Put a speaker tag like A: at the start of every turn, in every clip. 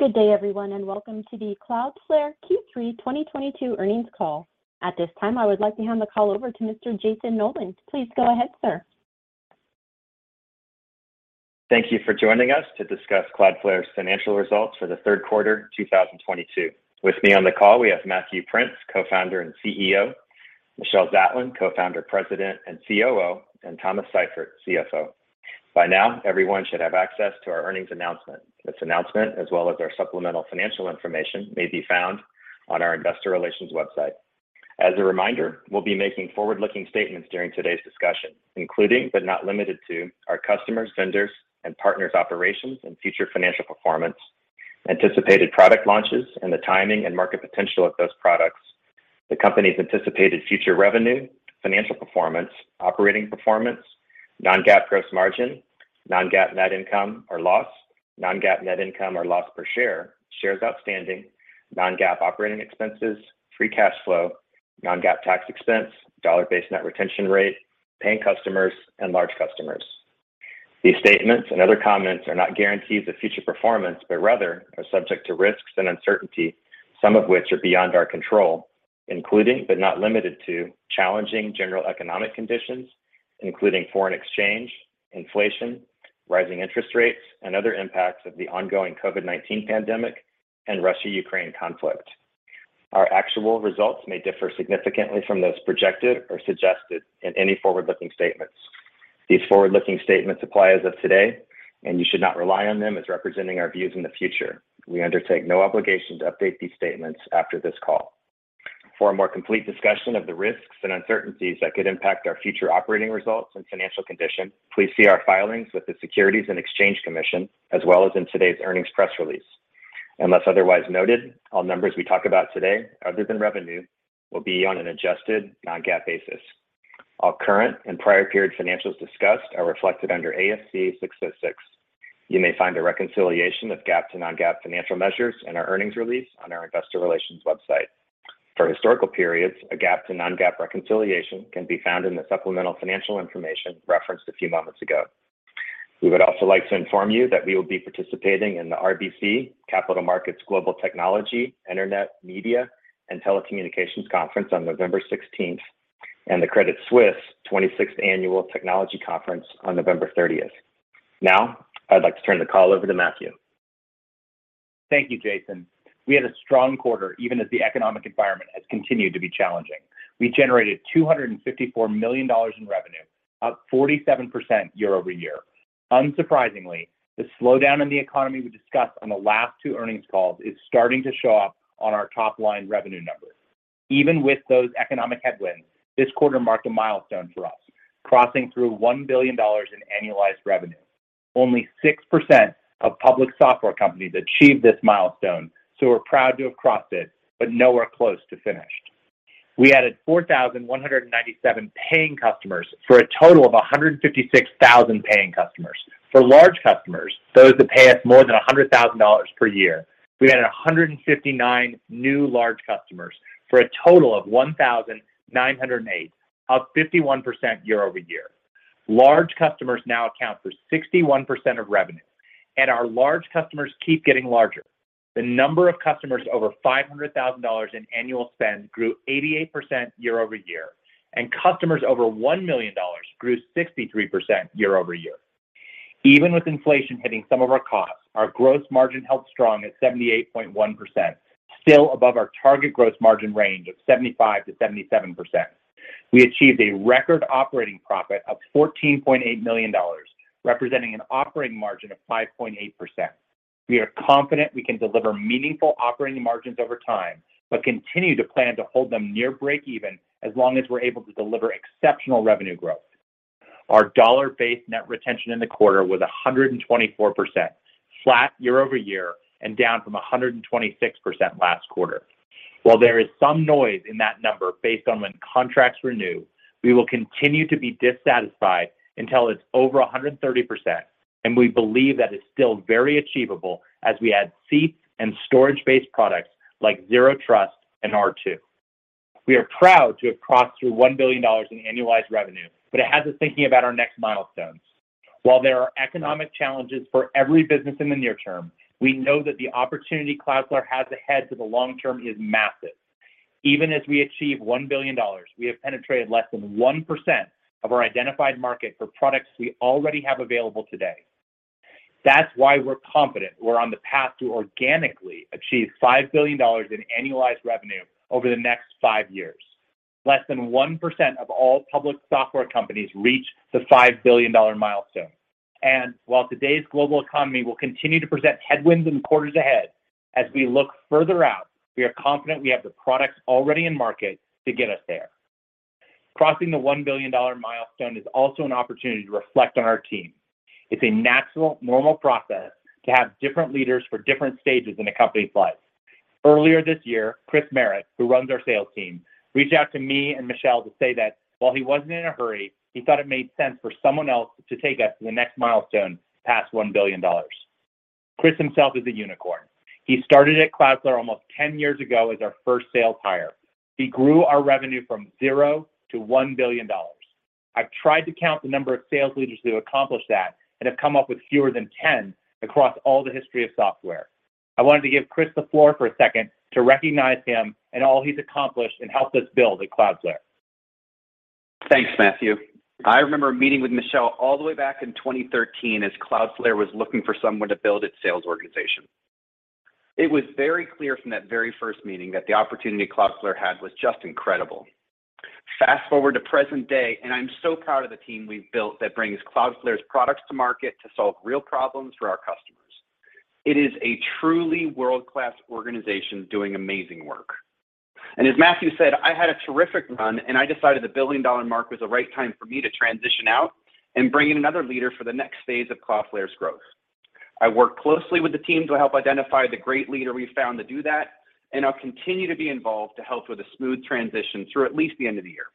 A: Good day, everyone, and welcome to the Cloudflare Q3 2022 earnings call. At this time, I would like to hand the call over to Mr. Jayson Noland. Please go ahead, sir.
B: Thank you for joining us to discuss Cloudflare's financial results for the third quarter, 2022. With me on the call we have Matthew Prince, Co-founder and CEO, Michelle Zatlyn, Co-founder, President, and COO, and Thomas Seifert, CFO. By now, everyone should have access to our earnings announcement. This announcement, as well as our supplemental financial information, may be found on our investor relations website. As a reminder, we'll be making forward-looking statements during today's discussion, including, but not limited to, our customers, vendors, and partners' operations and future financial performance, anticipated product launches, and the timing and market potential of those products, the company's anticipated future revenue, financial performance, operating performance, non-GAAP gross margin, non-GAAP net income or loss, non-GAAP net income or loss per share, shares outstanding, non-GAAP operating expenses, free cash flow, non-GAAP tax expense, dollar-based net retention rate, paying customers, and large customers. These statements and other comments are not guarantees of future performance, but rather are subject to risks and uncertainty, some of which are beyond our control, including, but not limited to, challenging general economic conditions, including foreign exchange, inflation, rising interest rates, and other impacts of the ongoing COVID-19 pandemic and Russia/Ukraine conflict. Our actual results may differ significantly from those projected or suggested in any forward-looking statements. These forward-looking statements apply as of today, and you should not rely on them as representing our views in the future. We undertake no obligation to update these statements after this call. For a more complete discussion of the risks and uncertainties that could impact our future operating results and financial condition, please see our filings with the Securities and Exchange Commission, as well as in today's earnings press release. Unless otherwise noted, all numbers we talk about today other than revenue will be on an adjusted non-GAAP basis. All current and prior period financials discussed are reflected under ASC 606. You may find a reconciliation of GAAP to non-GAAP financial measures in our earnings release on our investor relations website. For historical periods, a GAAP to non-GAAP reconciliation can be found in the supplemental financial information referenced a few moments ago. We would also like to inform you that we will be participating in the RBC Capital Markets Global Technology Internet, Media, and Telecommunications Conference on November 16th, and the Credit Suisse 26th Annual Technology Conference on November 30th. Now, I'd like to turn the call over to Matthew.
C: Thank you, Jayson. We had a strong quarter, even as the economic environment has continued to be challenging. We generated $254 million in revenue, up 47% year-over-year. Unsurprisingly, the slowdown in the economy we discussed on the last two earnings calls is starting to show up on our top-line revenue numbers. Even with those economic headwinds, this quarter marked a milestone for us, crossing through $1 billion in annualized revenue. Only 6% of public software companies achieve this milestone, so we're proud to have crossed it, but nowhere close to finished. We added 4,197 paying customers, for a total of 156,000 paying customers. For large customers, those that pay us more than $100,000 per year, we added 159 new large customers, for a total of 1,908, up 51% year-over-year. Large customers now account for 61% of revenue, and our large customers keep getting larger. The number of customers over $500,000 in annual spend grew 88% year-over-year, and customers over $1 million grew 63% year-over-year. Even with inflation hitting some of our costs, our gross margin held strong at 78.1%, still above our target gross margin range of 75% to 77%. We achieved a record operating profit of $14.8 million, representing an operating margin of 5.8%. We are confident we can deliver meaningful operating margins over time, but continue to plan to hold them near breakeven as long as we're able to deliver exceptional revenue growth. Our Dollar-Based Net Retention in the quarter was 124%, flat year-over-year and down from 126% last quarter. While there is some noise in that number based on when contracts renew, we will continue to be dissatisfied until it's over 130%, and we believe that it's still very achievable as we add seats and storage-based products like Zero Trust and R2. We are proud to have crossed through $1 billion in annualized revenue, but it has us thinking about our next milestones. While there are economic challenges for every business in the near term, we know that the opportunity Cloudflare has ahead to the long term is massive. Even as we achieve $1 billion, we have penetrated less than 1% of our identified market for products we already have available today. That's why we're confident we're on the path to organically achieve $5 billion in annualized revenue over the next five years. Less than 1% of all public software companies reach the $5 billion milestone. While today's global economy will continue to present headwinds in quarters ahead, as we look further out, we are confident we have the products already in market to get us there. Crossing the $1 billion milestone is also an opportunity to reflect on our team. It's a natural, normal process to have different leaders for different stages in a company's life. Earlier this year, Chris Merritt, who runs our sales team, reached out to me and Michelle to say that while he wasn't in a hurry, he thought it made sense for someone else to take us to the next milestone past $1 billion. Chris himself is a unicorn. He started at Cloudflare almost 10 years ago as our first sales hire. He grew our revenue from zero to $1 billion. I've tried to count the number of sales leaders who accomplish that and have come up with fewer than 10 across all the history of software. I wanted to give Chris the floor for a second to recognize him and all he's accomplished and helped us build at Cloudflare.
D: Thanks, Matthew. I remember meeting with Michelle all the way back in 2013 as Cloudflare was looking for someone to build its sales organization. It was very clear from that very first meeting that the opportunity Cloudflare had was just incredible. Fast-forward to present day, and I'm so proud of the team we've built that brings Cloudflare's products to market to solve real problems for our customers. It is a truly world-class organization doing amazing work. As Matthew said, I had a terrific run, and I decided the billion-dollar mark was the right time for me to transition out and bring in another leader for the next phase of Cloudflare's growth. I worked closely with the team to help identify the great leader we found to do that, and I'll continue to be involved to help with a smooth transition through at least the end of the year.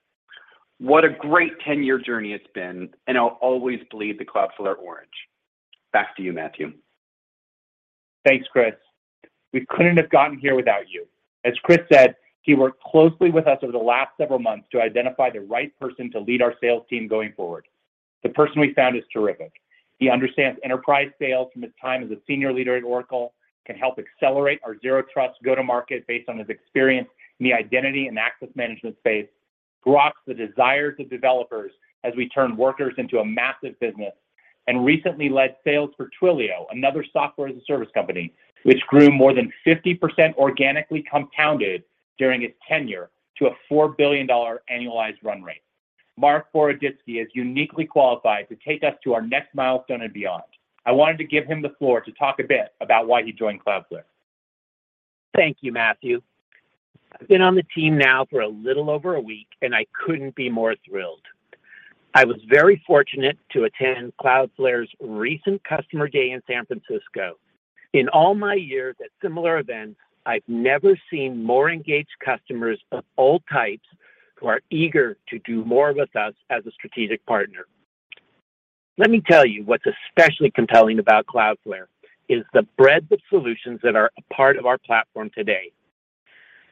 D: What a great 10-year journey it's been, and I'll always bleed the Cloudflare orange. Back to you, Matthew.
C: Thanks, Chris. We couldn't have gotten here without you. As Chris said, he worked closely with us over the last several months to identify the right person to lead our sales team going forward. The person we found is terrific. He understands enterprise sales from his time as a senior leader at Oracle, can help accelerate our Zero Trust go-to-market based on his experience in the identity and access management space, rocks the desires of developers as we turn Workers into a massive business, and recently led sales for Twilio, another software as a service company, which grew more than 50% organically compounded during his tenure to a $4 billion annualized run rate. Marc Boroditsky is uniquely qualified to take us to our next milestone and beyond. I wanted to give him the floor to talk a bit about why he joined Cloudflare.
E: Thank you, Matthew. I've been on the team now for a little over a week, and I couldn't be more thrilled. I was very fortunate to attend Cloudflare's recent customer day in San Francisco. In all my years at similar events, I've never seen more engaged customers of all types who are eager to do more with us as a strategic partner. Let me tell you what's especially compelling about Cloudflare is the breadth of solutions that are a part of our platform today.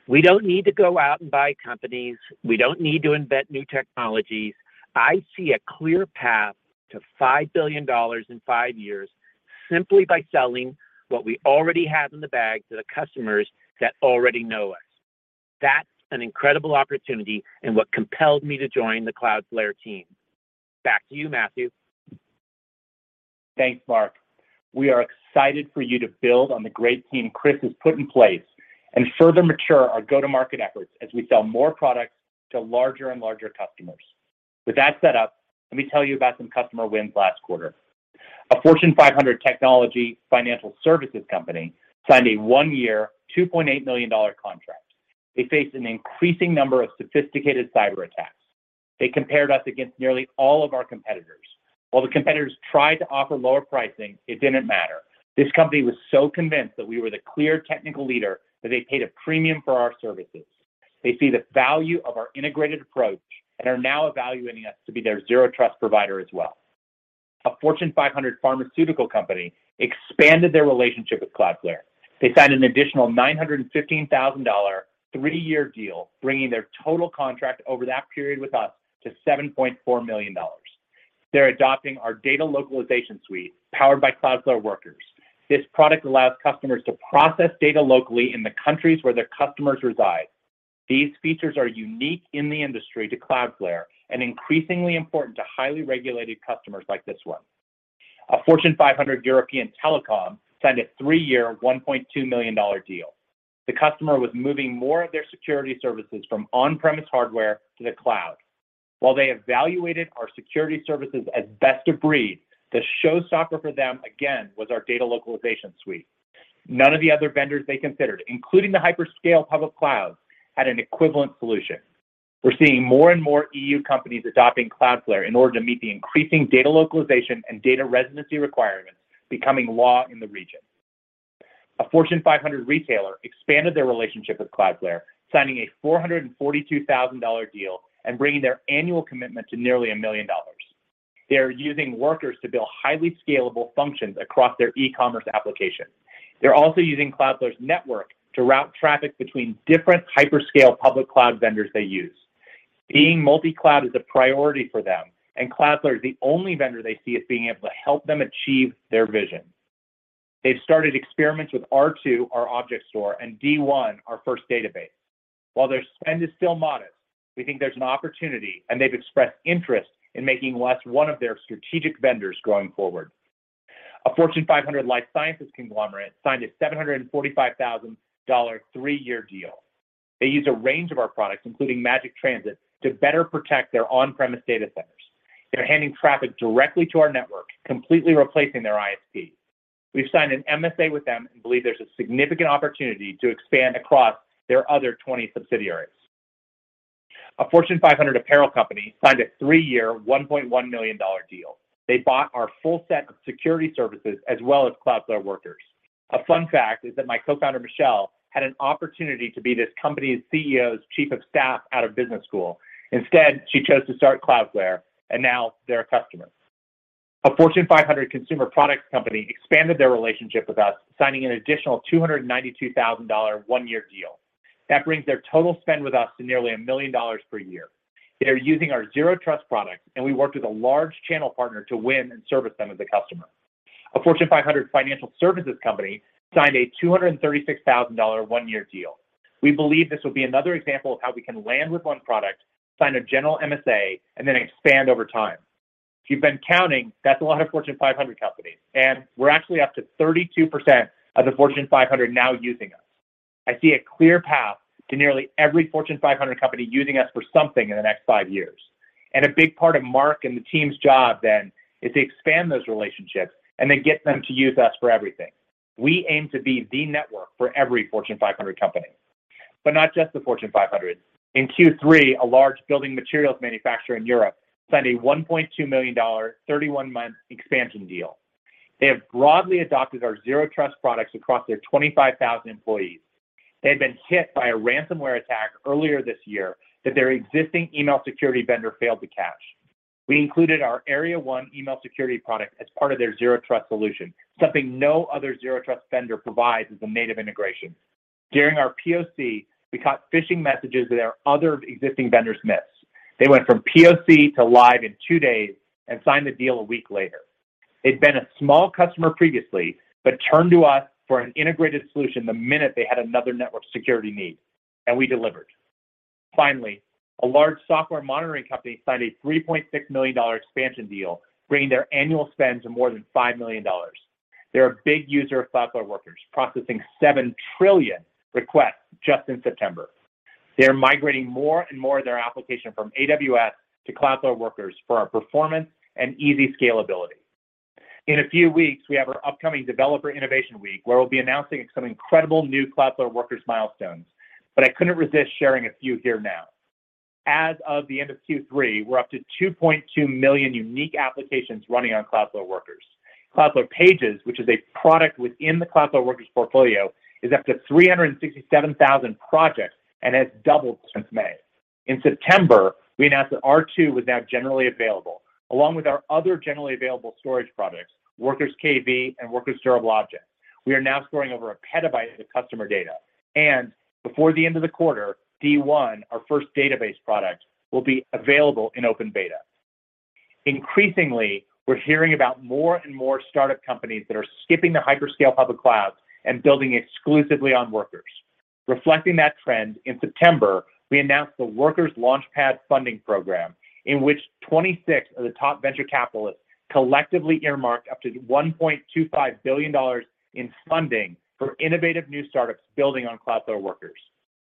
E: We don't need to go out and buy companies. We don't need to invent new technologies. I see a clear path to $5 billion in five years simply by selling what we already have in the bag to the customers that already know us. That's an incredible opportunity and what compelled me to join the Cloudflare team. Back to you, Matthew.
C: Thanks, Marc. We are excited for you to build on the great team Chris has put in place and further mature our go-to-market efforts as we sell more products to larger and larger customers. With that set up, let me tell you about some customer wins last quarter. A Fortune 500 technology financial services company signed a one-year, $2.8 million contract. They faced an increasing number of sophisticated cyberattacks. They compared us against nearly all of our competitors. While the competitors tried to offer lower pricing, it didn't matter. This company was so convinced that we were the clear technical leader that they paid a premium for our services. They see the value of our integrated approach and are now evaluating us to be their Zero Trust provider as well. A Fortune 500 pharmaceutical company expanded their relationship with Cloudflare. They signed an additional $915,000 three-year deal, bringing their total contract over that period with us to $7.4 million. They're adopting our Data Localization Suite powered by Cloudflare Workers. This product allows customers to process data locally in the countries where their customers reside. These features are unique in the industry to Cloudflare and increasingly important to highly regulated customers like this one. A Fortune 500 European telecom signed a three-year, $1.2 million deal. The customer was moving more of their security services from on-premise hardware to the cloud. While they evaluated our security services as best of breed, the showstopper for them, again, was our Data Localization Suite. None of the other vendors they considered, including the hyperscale public clouds, had an equivalent solution. We're seeing more and more EU companies adopting Cloudflare in order to meet the increasing data localization and data residency requirements becoming law in the region. A Fortune 500 retailer expanded their relationship with Cloudflare, signing a $442,000 deal and bringing their annual commitment to nearly $1 million. They are using Workers to build highly scalable functions across their e-commerce application. They're also using Cloudflare's network to route traffic between different hyperscale public cloud vendors they use. Being multi-cloud is a priority for them, and Cloudflare is the only vendor they see as being able to help them achieve their vision. They've started experiments with R2, our object store, and D1, our first database. While their spend is still modest, we think there's an opportunity, and they've expressed interest in making us one of their strategic vendors going forward. A Fortune 500 life sciences conglomerate signed a $745,000 three-year deal. They use a range of our products, including Magic Transit, to better protect their on-premise data centers. They're handing traffic directly to our network, completely replacing their ISP. We've signed an MSA with them and believe there's a significant opportunity to expand across their other 20 subsidiaries. A Fortune 500 apparel company signed a three-year, $1.1 million deal. They bought our full set of security services as well as Cloudflare Workers. A fun fact is that my co-founder, Michelle, had an opportunity to be this company's CEO's chief of staff out of business school. Instead, she chose to start Cloudflare, and now they're a customer. A Fortune 500 consumer products company expanded their relationship with us, signing an additional $292,000 one-year deal. That brings their total spend with us to nearly $1 million per year. They are using our Zero Trust product, and we worked with a large channel partner to win and service them as a customer. A Fortune 500 financial services company signed a $236,000 one-year deal. We believe this will be another example of how we can land with one product, sign a general MSA, and then expand over time. If you've been counting, that's a lot of Fortune 500 companies, and we're actually up to 32% of the Fortune 500 now using us. I see a clear path to nearly every Fortune 500 company using us for something in the next five years. A big part of Marc and the team's job then is to expand those relationships and then get them to use us for everything. We aim to be the network for every Fortune 500 company. Not just the Fortune 500. In Q3, a large building materials manufacturer in Europe signed a $1.2 million 31-month expansion deal. They have broadly adopted our Zero Trust products across their 25,000 employees. They had been hit by a ransomware attack earlier this year that their existing email security vendor failed to catch. We included our Area 1 email security product as part of their Zero Trust solution, something no other Zero Trust vendor provides as a native integration. During our POC, we caught phishing messages that our other existing vendors missed. They went from POC to live in two days and signed the deal a week later. They'd been a small customer previously, but turned to us for an integrated solution the minute they had another network security need, and we delivered. Finally, a large software monitoring company signed a $3.6 million expansion deal, bringing their annual spend to more than $5 million. They're a big user of Cloudflare Workers, processing seven trillion requests just in September. They are migrating more and more of their application from AWS to Cloudflare Workers for our performance and easy scalability. In a few weeks, we have our upcoming Developer Innovation Week, where we'll be announcing some incredible new Cloudflare Workers milestones, but I couldn't resist sharing a few here now. As of the end of Q3, we're up to 2.2 million unique applications running on Cloudflare Workers. Cloudflare Pages, which is a product within the Cloudflare Workers portfolio, is up to 367,000 projects and has doubled since May. In September, we announced that R2 was now generally available along with our other generally available storage products, Workers KV and Workers Durable Objects. We are now storing over a petabyte of customer data, and before the end of the quarter, D1, our first database product, will be available in open beta. Increasingly, we're hearing about more and more startup companies that are skipping the hyperscale public clouds and building exclusively on Workers. Reflecting that trend, in September, we announced the Workers Launchpad funding program, in which 26 of the top venture capitalists collectively earmarked up to $1.25 billion in funding for innovative new startups building on Cloudflare Workers.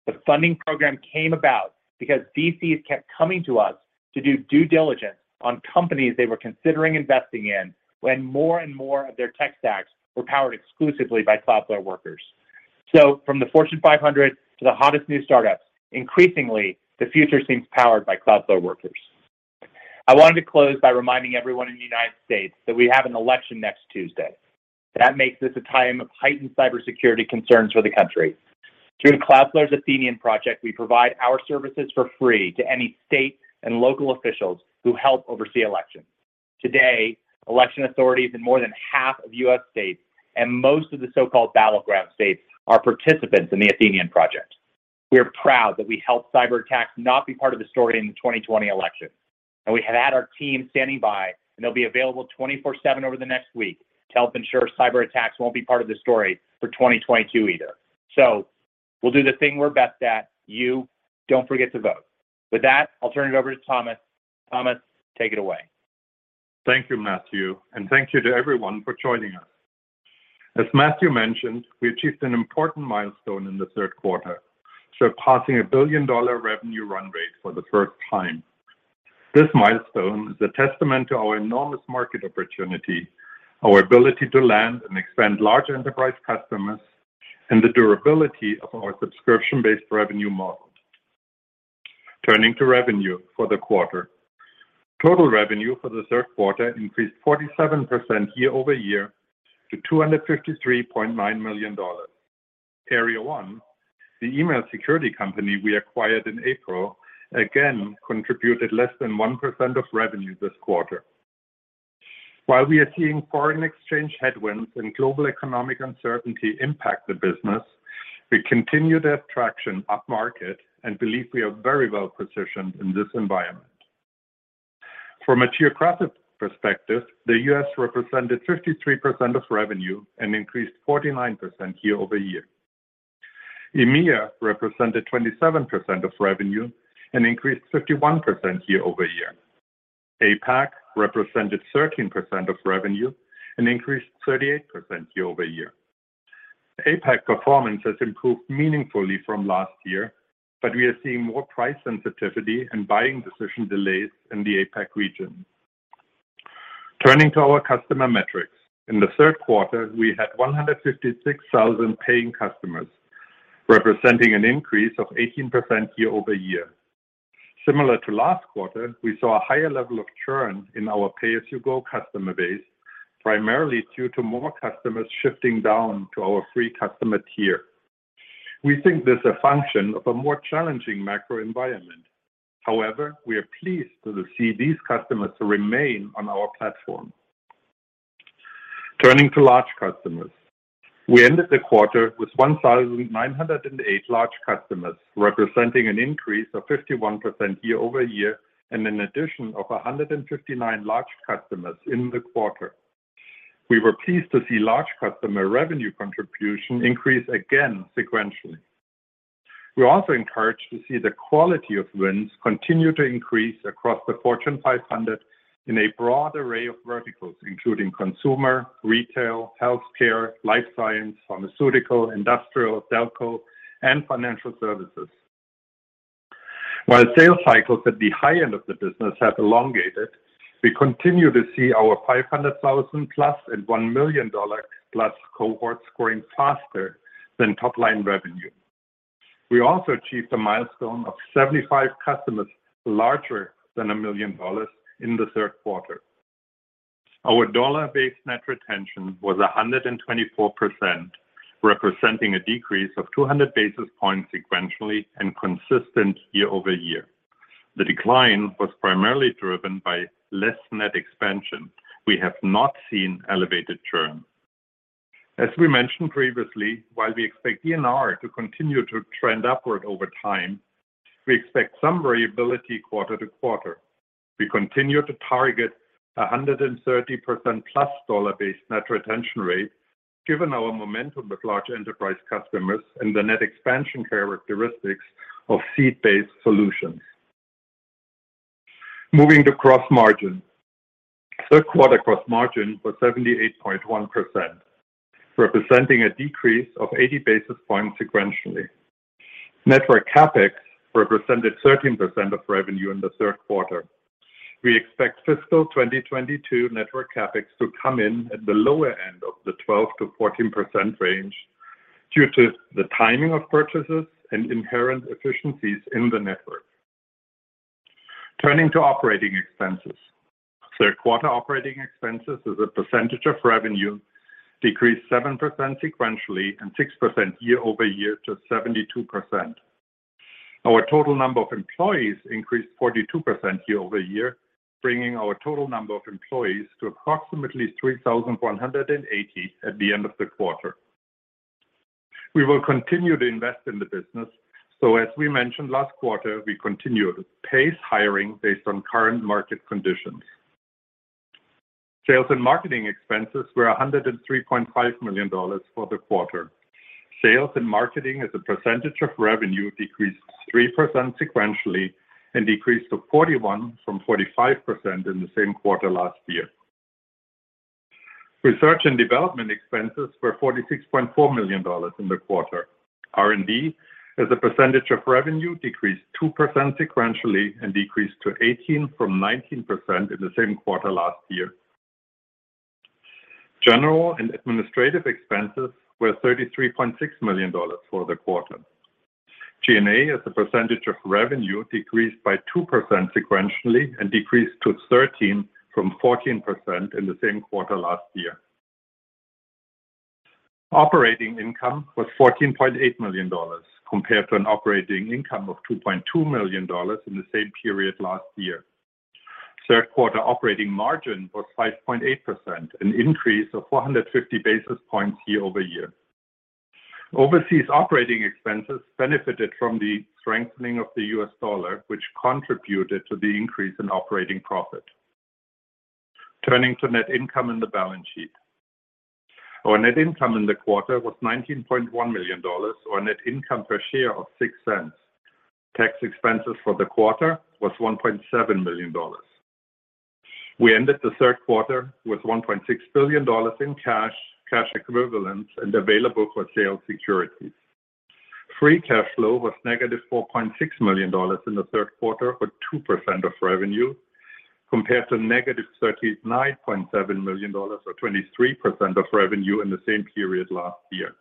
C: The funding program came about because VCs kept coming to us to do due diligence on companies they were considering investing in when more and more of their tech stacks were powered exclusively by Cloudflare Workers. From the Fortune 500 to the hottest new startups, increasingly, the future seems powered by Cloudflare Workers. I wanted to close by reminding everyone in the United States that we have an election next Tuesday. That makes this a time of heightened cybersecurity concerns for the country. Through Cloudflare's Athenian Project, we provide our services for free to any state and local officials who help oversee elections. Today, election authorities in more than half of U.S. states and most of the so-called battleground states are participants in the Athenian Project. We are proud that we helped cyberattacks not be part of the story in the 2020 election, and we have had our team standing by, and they'll be available 24/7 over the next week to help ensure cyberattacks won't be part of the story for 2022 either. We'll do the thing we're best at. You, don't forget to vote. With that, I'll turn it over to Thomas. Thomas, take it away.
F: Thank you, Matthew, and thank you to everyone for joining us. As Matthew mentioned, we achieved an important milestone in the third quarter, surpassing a billion-dollar revenue run rate for the first time. This milestone is a testament to our enormous market opportunity, our ability to land and expand large enterprise customers, and the durability of our subscription-based revenue model. Turning to revenue for the quarter. Total revenue for the third quarter increased 47% year over year to $253.9 million. Area 1 Security, the email security company we acquired in April, again contributed less than 1% of revenue this quarter. While we are seeing foreign exchange headwinds and global economic uncertainty impact the business, we continue to have traction upmarket and believe we are very well-positioned in this environment. From a geographic perspective, the U.S. represented 53% of revenue and increased 49% year-over-year. EMEA represented 27% of revenue and increased 51% year-over-year. APAC represented 13% of revenue and increased 38% year-over-year. APAC performance has improved meaningfully from last year, but we are seeing more price sensitivity and buying decision delays in the APAC region. Turning to our customer metrics. In the third quarter, we had 156,000 paying customers, representing an increase of 18% year-over-year. Similar to last quarter, we saw a higher level of churn in our pay-as-you-go customer base, primarily due to more customers shifting down to our free customer tier. We think there's a function of a more challenging macro environment. However, we are pleased to see these customers remain on our platform. Turning to large customers. We ended the quarter with 1,908 large customers, representing an increase of 51% year-over-year, and an addition of 159 large customers in the quarter. We were pleased to see large customer revenue contribution increase again sequentially. We're also encouraged to see the quality of wins continue to increase across the Fortune 500 in a broad array of verticals, including consumer, retail, healthcare, life science, pharmaceutical, industrial, telco, and financial services. While sales cycles at the high end of the business have elongated, we continue to see our $500,000+ and $1 million+ cohort closing faster than top-line revenue. We also achieved a milestone of 75 customers larger than $1 million in the third quarter. Our dollar-based net retention was 124%, representing a decrease of 200 basis points sequentially and consistent year-over-year. The decline was primarily driven by less net expansion. We have not seen elevated churn. As we mentioned previously, while we expect DBNR to continue to trend upward over time, we expect some variability quarter to quarter. We continue to target 130%+ dollar-based net retention rate given our momentum with large enterprise customers and the net expansion characteristics of fee-based solutions. Moving to gross margin. Third quarter gross margin was 78.1%, representing a decrease of 80 basis points sequentially. Network CapEx represented 13% of revenue in the third quarter. We expect fiscal 2022 network CapEx to come in at the lower end of the 12% to 14% range due to the timing of purchases and inherent efficiencies in the network. Turning to operating expenses. Third quarter operating expenses as a percentage of revenue decreased 7% sequentially and 6% year-over-year to 72%. Our total number of employees increased 42% year-over-year, bringing our total number of employees to approximately 3,180 at the end of the quarter. We will continue to invest in the business. As we mentioned last quarter, we continue to pace hiring based on current market conditions. Sales and marketing expenses were $103.5 million for the quarter. Sales and marketing as a percentage of revenue decreased 3% sequentially and decreased to 41% from 45% in the same quarter last year. Research and development expenses were $46.4 million in the quarter. R&D as a percentage of revenue decreased 2% sequentially and decreased to 18% from 19% in the same quarter last year. General and administrative expenses were $33.6 million for the quarter. G&A as a percentage of revenue decreased by 2% sequentially and decreased to 13% from 14% in the same quarter last year. Operating income was $14.8 million compared to an operating income of $2.2 million in the same period last year. Third quarter operating margin was 5.8%, an increase of 450 basis points year-over-year. Overseas operating expenses benefited from the strengthening of the U.S. dollar, which contributed to the increase in operating profit. Turning to net income and the balance sheet. Our net income in the quarter was $19.1 million, or a net income per share of $0.06. Tax expenses for the quarter was $1.7 million. We ended the third quarter with $1.6 billion in cash equivalents, and available for sale securities. Free cash flow was -$4.6 million in the third quarter, or 2% of revenue, compared to -$39.7 million or 23% of revenue in the same period last year.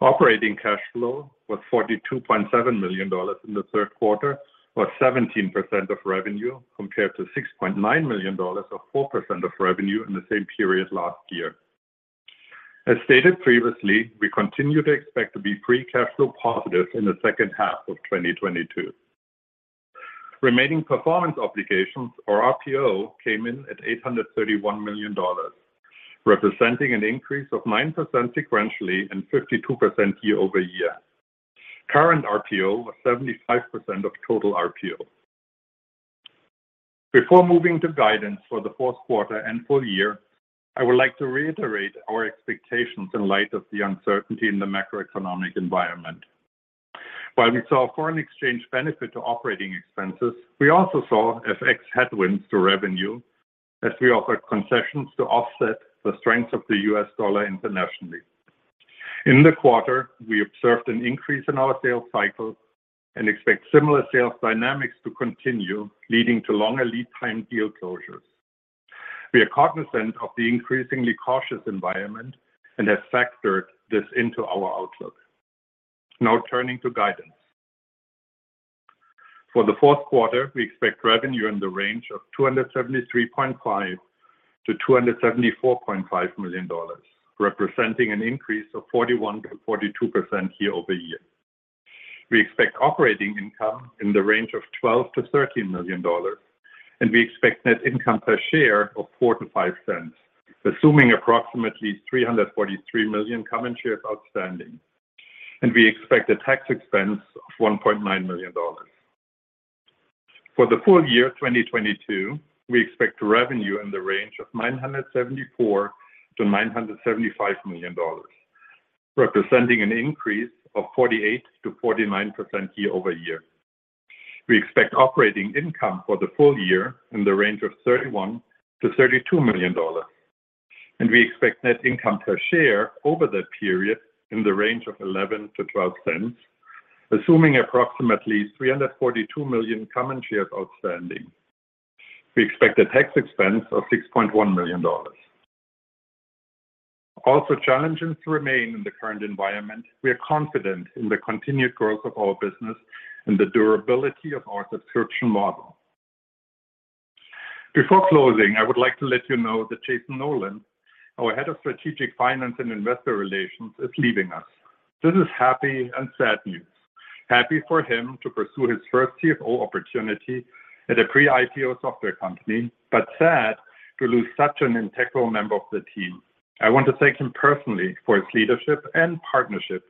F: Operating cash flow was $42.7 million in the third quarter, or 17% of revenue, compared to $6.9 million or 4% of revenue in the same period last year. As stated previously, we continue to expect to be free cash flow positive in the second half of 2022. Remaining performance obligations or RPO came in at $831 million, representing an increase of 9% sequentially and 52% year-over-year. Current RPO was 75% of total RPO. Before moving to guidance for the fourth quarter and full year, I would like to reiterate our expectations in light of the uncertainty in the macroeconomic environment. While we saw foreign exchange benefit to operating expenses, we also saw FX headwinds to revenue as we offered concessions to offset the strength of the U.S. dollar internationally. In the quarter, we observed an increase in our sales cycle and expect similar sales dynamics to continue, leading to longer lead time deal closures. We are cognizant of the increasingly cautious environment and have factored this into our outlook. Now turning to guidance. For the fourth quarter, we expect revenue in the range of $273.5 million to $274.5 million, representing an increase of 41% to 42% year-over-year. We expect operating income in the range of $12 million to $13 million, and we expect net income per share of $0.04 to $0.05, assuming approximately 343 million common shares outstanding, and we expect a tax expense of $1.9 million. For the full year 2022, we expect revenue in the range of $974 million to $975 million, representing an increase of 48% to 49% year-over-year. We expect operating income for the full year in the range of $31 million to $32 million, and we expect net income per share over that period in the range of $0.11 to $0.12, assuming approximately 342 million common shares outstanding. We expect a tax expense of $6.1 million. Challenges remain in the current environment. We are confident in the continued growth of our business and the durability of our subscription model. Before closing, I would like to let you know that Jayson Noland, our Head of Strategic Finance and Investor Relations, is leaving us. This is happy and sad news. Happy for him to pursue his first CFO opportunity at a pre-IPO software company, but sad to lose such an integral member of the team. I want to thank him personally for his leadership and partnership,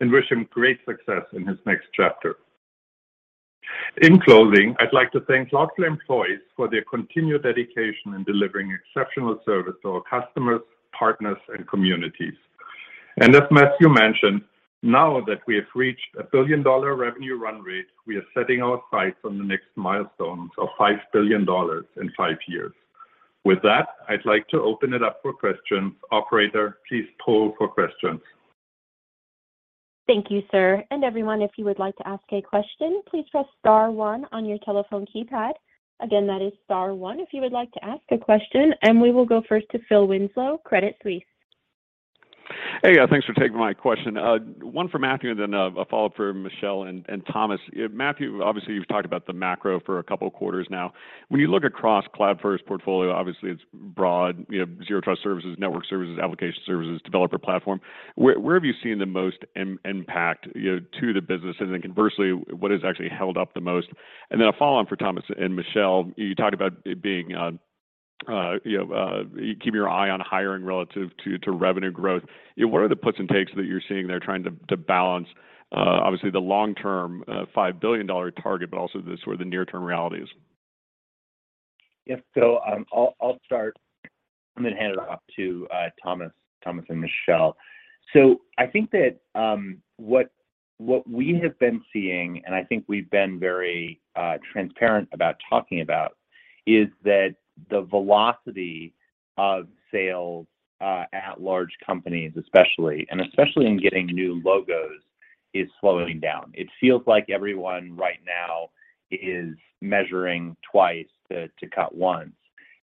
F: and wish him great success in his next chapter. In closing, I'd like to thank Cloudflare employees for their continued dedication in delivering exceptional service to our customers, partners, and communities. As Matthew mentioned, now that we have reached a billion-dollar revenue run rate, we are setting our sights on the next milestones of $5 billion in five years. With that, I'd like to open it up for questions. Operator, please poll for questions.
A: Thank you, sir. Everyone, if you would like to ask a question, please press star one on your telephone keypad. Again, that is star one if you would like to ask a question, and we will go first to Phil Winslow, Credit Suisse.
G: Hey. Thanks for taking my question. One for Matthew, then a follow-up for Michelle and Thomas. Matthew, obviously, you've talked about the macro for a couple of quarters now. When you look across Cloudflare portfolio, obviously, it's broad, you have Zero Trust services, network services, application services, developer platform. Where have you seen the most impact, you know, to the business? And then conversely, what has actually held up the most? And then a follow-on for Thomas and Michelle. You talked about it being, you know, keeping your eye on hiring relative to revenue growth. You know, what are the puts and takes that you're seeing there trying to balance, obviously the long-term $5 billion target, but also the sort of the near-term realities?
C: Yeah. Phil, I'll start and then hand it off to Thomas and Michelle. I think that what we have been seeing, and I think we've been very transparent about talking about, is that the velocity of sales at large companies especially, and especially in getting new logos, is slowing down. It feels like everyone right now is measuring twice to cut once.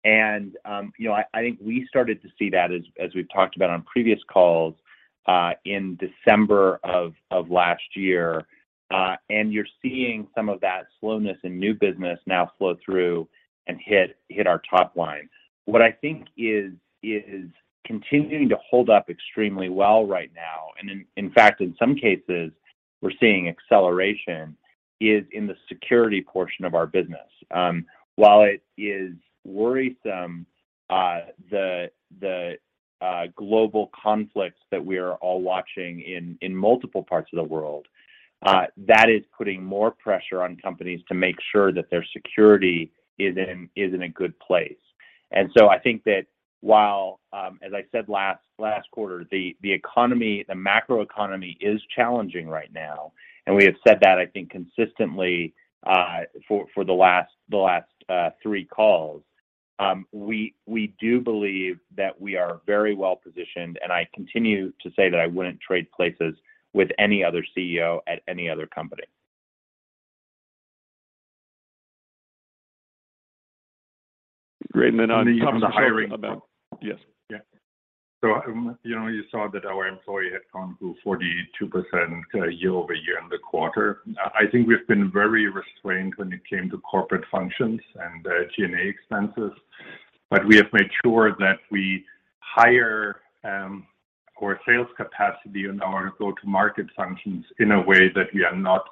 C: You know, I think we started to see that as we've talked about on previous calls in December of last year. You're seeing some of that slowness in new business now flow through and hit our top line. What I think is continuing to hold up extremely well right now, and in fact, in some cases we're seeing acceleration, is in the security portion of our business. While it is worrisome, the global conflicts that we are all watching in multiple parts of the world, that is putting more pressure on companies to make sure that their security is in a good place. I think that while, as I said last quarter, the macro economy is challenging right now, and we have said that I think consistently, for the last three calls, we do believe that we are very well-positioned, and I continue to say that I wouldn't trade places with any other CEO at any other company.
G: Great. On the hiring-
F: Thomas a short amount.
G: Yes.
F: Yeah. You know, you saw that our employee headcount grew 42% year-over-year in the quarter. I think we've been very restrained when it came to corporate functions and G&A expenses, but we have made sure that we hire for sales capacity in our go-to-market functions in a way that we are not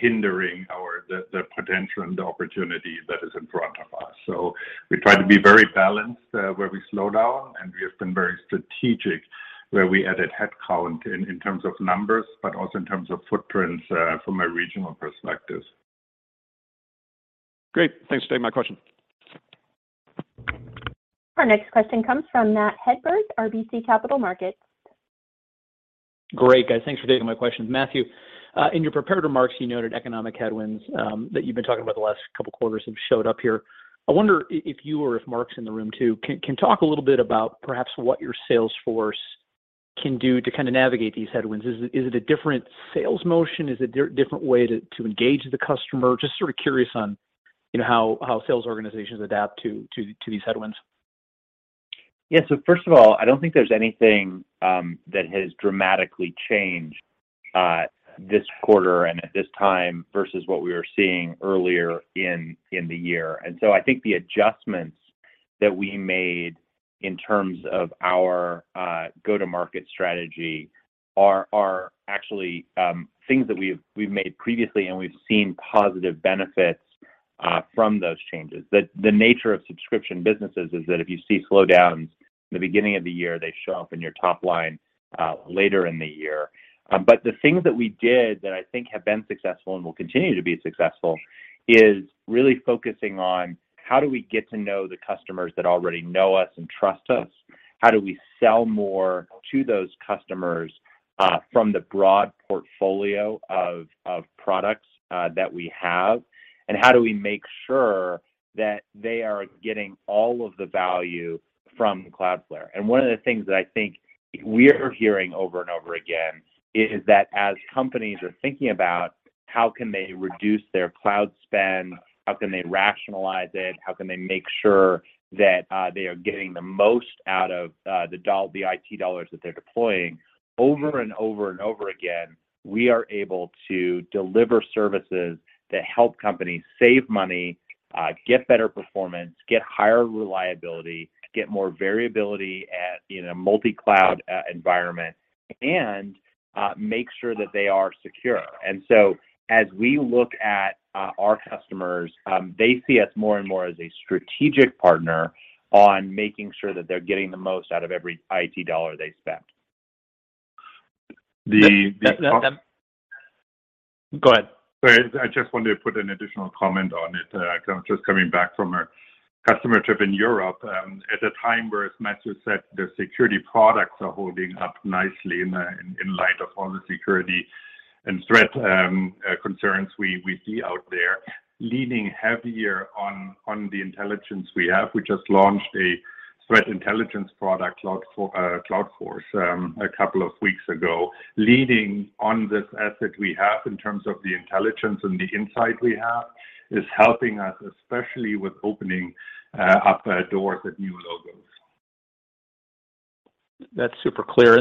F: hindering our potential and the opportunity that is in front of us. We try to be very balanced where we slow down, and we have been very strategic where we added headcount in terms of numbers, but also in terms of footprints from a regional perspective.
G: Great. Thanks for taking my question.
A: Our next question comes from Matthew Hedberg, RBC Capital Markets.
H: Great. Guys, thanks for taking my questions. Matthew, in your prepared remarks, you noted economic headwinds, that you've been talking about the last couple of quarters have showed up here. I wonder if you or if Marc's in the room too, can talk a little bit about perhaps what your sales force can do to kind of navigate these headwinds. Is it a different sales motion? Is it a different way to engage the customer? Just sort of curious on, you know, how sales organizations adapt to these headwinds.
C: Yeah. First of all, I don't think there's anything that has dramatically changed this quarter and at this time versus what we were seeing earlier in the year. I think the adjustments that we made in terms of our go-to-market strategy are actually things that we've made previously, and we've seen positive benefits from those changes. The nature of subscription businesses is that if you see slowdowns in the beginning of the year, they show up in your top line later in the year. The things that we did that I think have been successful and will continue to be successful is really focusing on how do we get to know the customers that already know us and trust us? How do we sell more to those customers from the broad portfolio of products that we have? How do we make sure that they are getting all of the value from Cloudflare? One of the things that I think we're hearing over and over again is that as companies are thinking about how can they reduce their cloud spend, how can they rationalize it, how can they make sure that they are getting the most out of the IT dollars that they're deploying, over and over and over again, we are able to deliver services that help companies save money, get better performance, get higher reliability, get more variability in a multi-cloud environment, and make sure that they are secure. As we look at our customers, they see us more and more as a strategic partner on making sure that they're getting the most out of every IT dollar they spend.
F: The, the-
H: Matt. Go ahead.
F: Sorry. I just wanted to put an additional comment on it. I'm just coming back from a customer trip in Europe, at a time where, as Matthew said, the security products are holding up nicely in light of all the security and threat concerns we see out there. Leaning heavier on the intelligence we have. We just launched a threat intelligence product, Cloudforce One, a couple of weeks ago. Leaning on this asset we have in terms of the intelligence and the insight we have is helping us, especially with opening up doors with new logos.
H: That's super clear.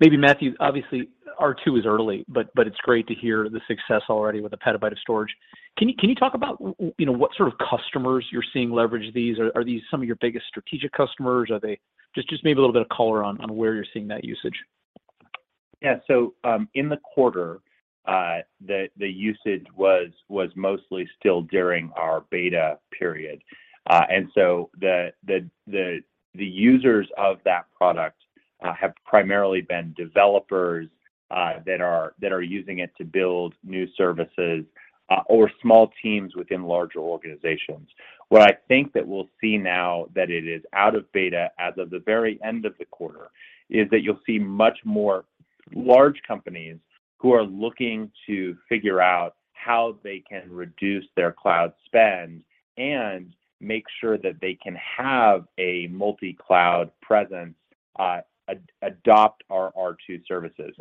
H: Maybe Matthew, obviously R2 is early, but it's great to hear the success already with a petabyte of storage. Can you talk about you know, what sort of customers you're seeing leverage these? Are these some of your biggest strategic customers? Are they just maybe a little bit of color on where you're seeing that usage.
C: Yeah. In the quarter, the usage was mostly still during our beta period. The users of that product have primarily been developers that are using it to build new services or small teams within larger organizations. What I think that we'll see now that it is out of beta as of the very end of the quarter is that you'll see much more large companies who are looking to figure out how they can reduce their cloud spend and make sure that they can have a multi-cloud presence, adopt our R2 services.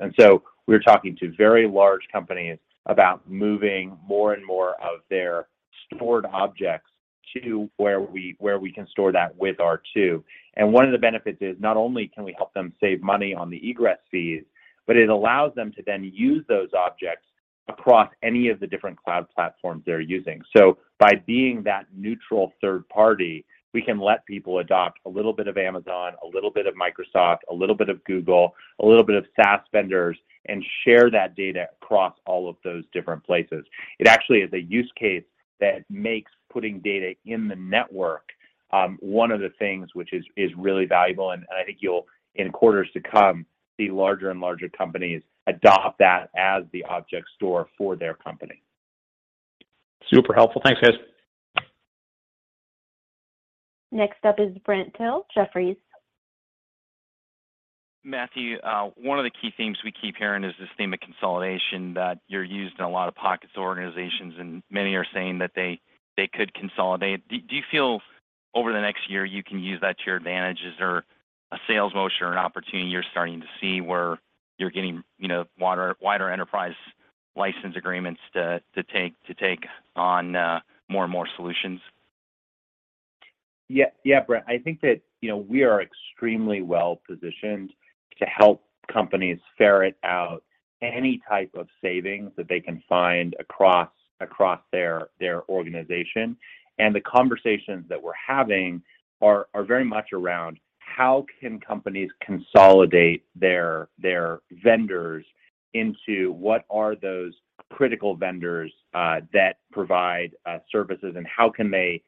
C: We're talking to very large companies about moving more and more of their stored objects to where we can store that with R2. One of the benefits is not only can we help them save money on the egress fees, but it allows them to then use those objects across any of the different cloud platforms they're using. By being that neutral third party, we can let people adopt a little bit of Amazon, a little bit of Microsoft, a little bit of Google, a little bit of SaaS vendors, and share that data across all of those different places. It actually is a use case that makes putting data in the network one of the things which is really valuable, and I think you'll, in quarters to come, see larger and larger companies adopt that as the object store for their company.
H: Super helpful. Thanks, guys.
A: Next up is Brent Thill, Jefferies.
I: Matthew, one of the key themes we keep hearing is this theme of consolidation that you're seeing in a lot of pockets of organizations, and many are saying that they could consolidate. Do you feel over the next year you can use that to your advantage? Is there a sales motion or an opportunity you're starting to see where you're getting, you know, wider enterprise license agreements to take on more and more solutions?
C: Yeah. Yeah, Brent. I think that, you know, we are extremely well-positioned to help companies ferret out any type of savings that they can find across their organization. The conversations that we're having are very much around how can companies consolidate their vendors into what are those critical vendors that provide services, and how can they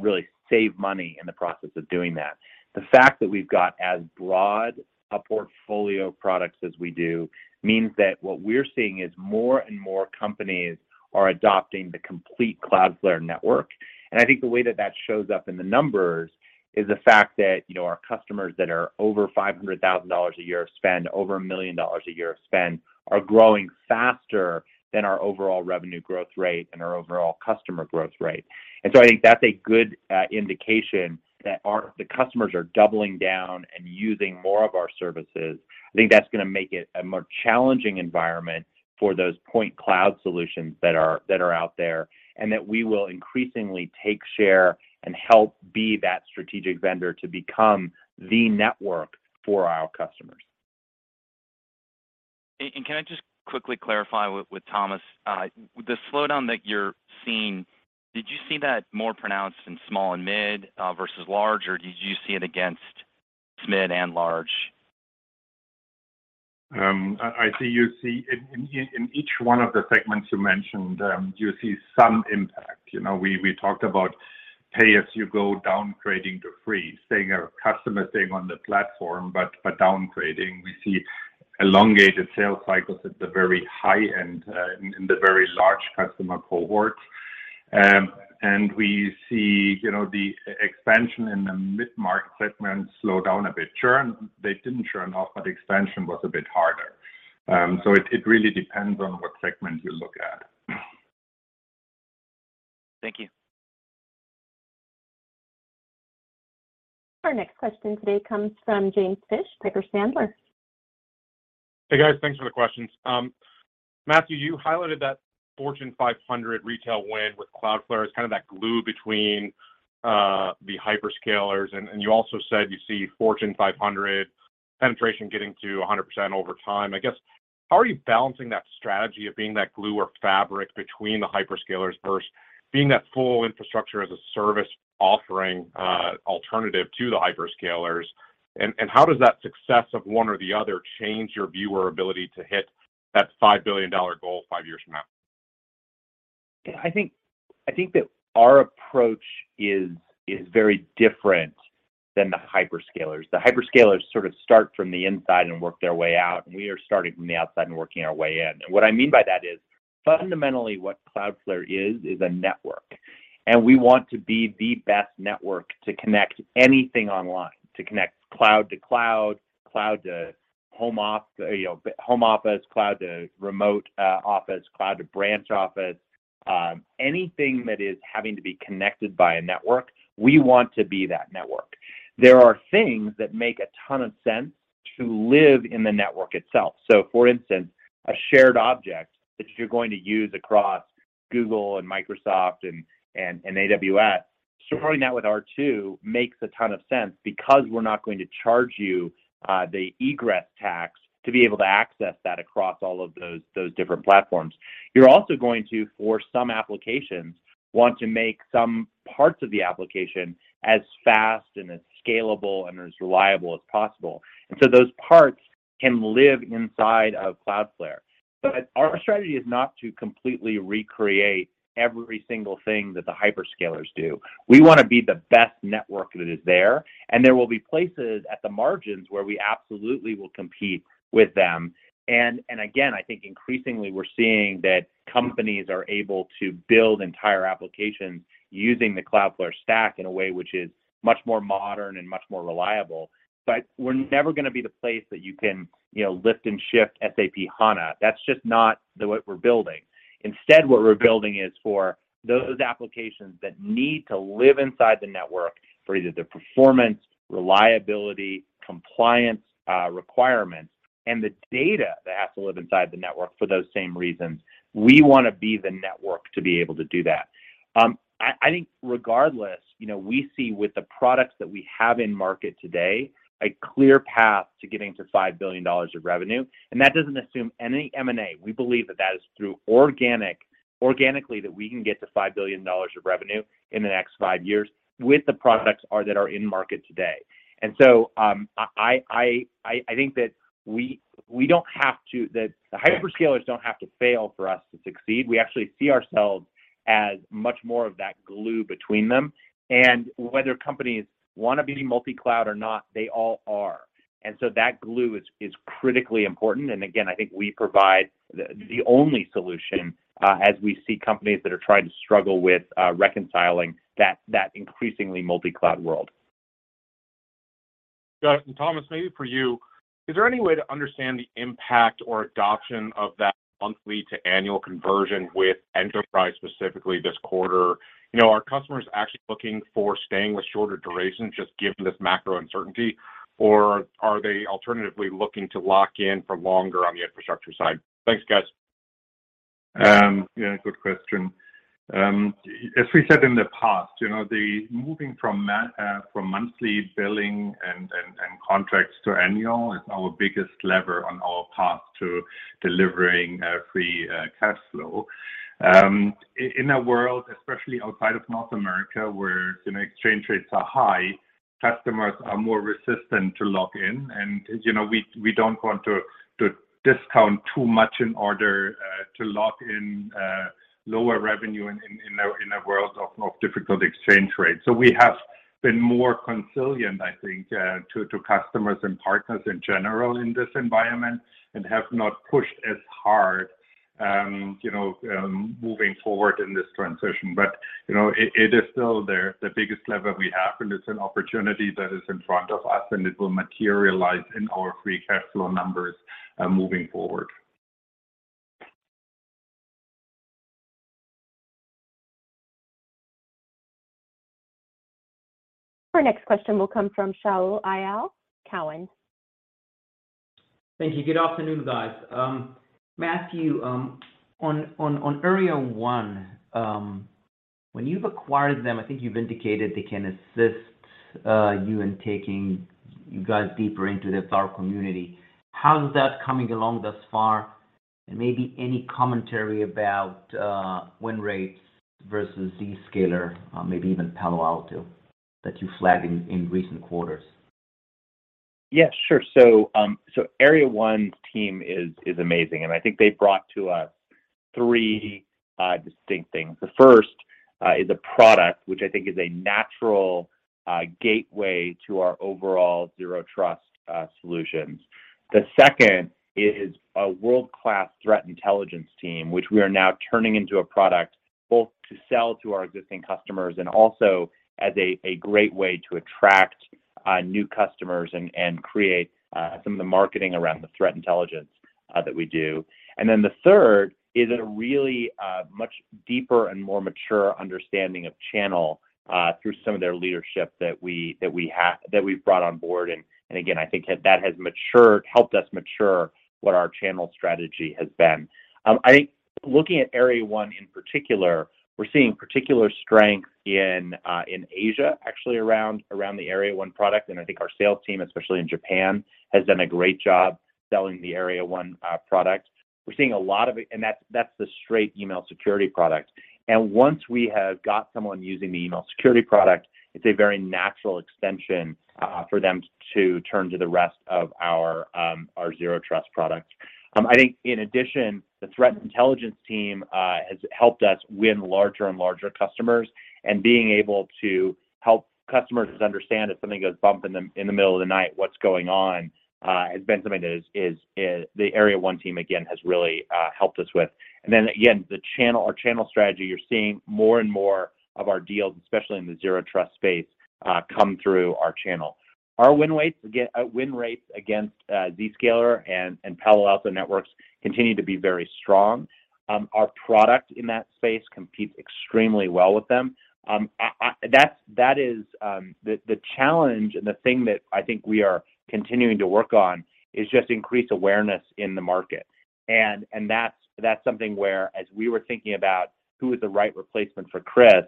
C: really save money in the process of doing that. The fact that we've got as broad a portfolio of products as we do means that what we're seeing is more and more companies are adopting the complete Cloudflare network. I think the way that that shows up in the numbers is the fact that, you know, our customers that are over $500,000 a year of spend, over $1 million a year of spend, are growing faster than our overall revenue growth rate and our overall customer growth rate. I think that's a good indication that the customers are doubling down and using more of our services. I think that's gonna make it a more challenging environment for those point cloud solutions that are out there, and that we will increasingly take share and help be that strategic vendor to become the network for our customers. Can I just quickly clarify with Thomas? The slowdown that you're seeing, did you see that more pronounced in small and mid versus large, or did you see it across mid and large?
F: You see in each one of the segments you mentioned, you see some impact. You know, we talked about pay-as-you-go downgrading to free, staying our customer on the platform, but downgrading. We see elongated sales cycles at the very high end, in the very large customer cohorts. We see, you know, the expansion in the mid-market segment slow down a bit. Churn, they didn't churn off, but expansion was a bit harder. It really depends on what segment you look at.
I: Thank you.
A: Our next question today comes from James Fish, Piper Sandler.
J: Hey, guys. Thanks for the questions. Matthew, you highlighted that Fortune 500 retail win with Cloudflare as kind of that glue between the hyperscalers and you also said you see Fortune 500 penetration getting to a 100% over time. I guess how are you balancing that strategy of being that glue or fabric between the hyperscalers versus being that full infrastructure as a service offering alternative to the hyperscalers? How does that success of one or the other change your viability to hit that $5 billion goal five years from now?
C: Yeah, I think that our approach is very different than the hyperscalers. The hyperscalers sort of start from the inside and work their way out, and we are starting from the outside and working our way in. What I mean by that is, fundamentally what Cloudflare is a network, and we want to be the best network to connect anything online. To connect cloud to cloud to home, you know, home office, cloud to remote office, cloud to branch office. Anything that is having to be connected by a network, we want to be that network. There are things that make a ton of sense to live in the network itself. For instance, a shared object that you're going to use across Google and Microsoft and AWS, supporting that with R2 makes a ton of sense because we're not going to charge you the egress tax to be able to access that across all of those different platforms. You're also going to, for some applications, want to make some parts of the application as fast and as scalable and as reliable as possible. Those parts can live inside of Cloudflare. Our strategy is not to completely recreate every single thing that the hyperscalers do. We wanna be the best network that is there, and there will be places at the margins where we absolutely will compete with them. I think increasingly we're seeing that companies are able to build entire applications using the Cloudflare stack in a way which is much more modern and much more reliable. We're never gonna be the place that you can, you know, lift and shift SAP HANA. That's just not the way we're building. Instead, what we're building is for those applications that need to live inside the network for either the performance, reliability, compliance, requirements, and the data that has to live inside the network for those same reasons. We wanna be the network to be able to do that. I think regardless, you know, we see with the products that we have in market today, a clear path to getting to $5 billion of revenue, and that doesn't assume any M&A. We believe that is through organic. organically that we can get to $5 billion of revenue in the next five years with the products that are in market today. I think that the hyperscalers don't have to fail for us to succeed. We actually see ourselves as much more of that glue between them. Whether companies wanna be multi-cloud or not, they all are. That glue is critically important. Again, I think we provide the only solution as we see companies that are trying to struggle with reconciling that increasingly multi-cloud world.
J: Got it. Thomas, maybe for you, is there any way to understand the impact or adoption of that monthly to annual conversion with enterprise specifically this quarter? You know, are customers actually looking for staying with shorter durations just given this macro uncertainty, or are they alternatively looking to lock in for longer on the infrastructure side? Thanks, guys.
F: Yeah, good question. As we said in the past, you know, the moving from monthly billing and contracts to annual is our biggest lever on our path to delivering free cash flow. In a world, especially outside of North America, where, you know, exchange rates are high, customers are more resistant to lock in. You know, we don't want to discount too much in order to lock in lower revenue in a world of difficult exchange rates. We have been more conciliatory, I think, to customers and partners in general in this environment and have not pushed as hard, you know, moving forward in this transition. You know, it is still the biggest lever we have, and it's an opportunity that is in front of us, and it will materialize in our free cash flow numbers moving forward.
A: Our next question will come from Shaul Eyal, TD Cowen.
K: Thank you. Good afternoon, guys. Matthew, on Area 1, When you've acquired them, I think you've indicated they can assist you in taking you guys deeper into the CISO community. How's that coming along thus far? Maybe any commentary about win rates versus Zscaler, maybe even Palo Alto that you flagged in recent quarters.
C: Yeah, sure. Area 1's team is amazing, and I think they've brought to us three distinct things. The first is a product which I think is a natural gateway to our overall Zero Trust solutions. The second is a world-class threat intelligence team, which we are now turning into a product both to sell to our existing customers and also as a great way to attract new customers and create some of the marketing around the threat intelligence that we do. The third is a really much deeper and more mature understanding of channel through some of their leadership that we've brought on board. Again, I think that has helped us mature what our channel strategy has been. I think looking at Area 1 in particular, we're seeing particular strength in Asia, actually, around the Area 1 product. I think our sales team, especially in Japan, has done a great job selling the Area 1 product. We're seeing a lot of it. That's the straight email security product. Once we have got someone using the email security product, it's a very natural extension for them to turn to the rest of our Zero Trust product. I think in addition, the threat intelligence team has helped us win larger and larger customers. Being able to help customers understand if something goes bump in the middle of the night, what's going on, has been something that the Area 1 team again has really helped us with. The channel, our channel strategy, you're seeing more and more of our deals, especially in the Zero Trust space, come through our channel. Our win rates against Zscaler and Palo Alto Networks continue to be very strong. Our product in that space competes extremely well with them. That is the challenge and the thing that I think we are continuing to work on is just increase awareness in the market. That's something where, as we were thinking about who is the right replacement for Chris,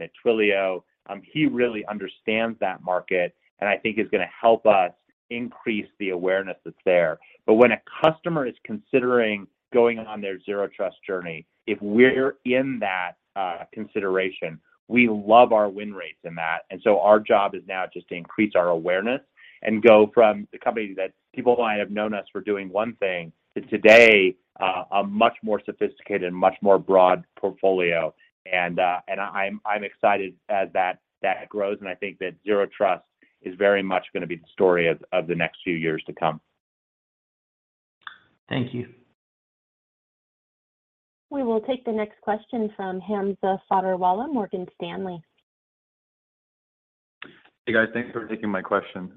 C: you know, Marc's background in identity and access management, both at Oracle and at Twilio, he really understands that market and I think is gonna help us increase the awareness that's there. When a customer is considering going on their Zero Trust journey, if we're in that consideration, we love our win rates in that. Our job is now just to increase our awareness and go from the company that people might have known us for doing one thing to today a much more sophisticated and much more broad portfolio. And I'm excited as that grows, and I think that Zero Trust is very much gonna be the story of the next few years to come.
K: Thank you.
A: We will take the next question from Hamza Fodderwala, Morgan Stanley.
L: Hey, guys. Thanks for taking my question.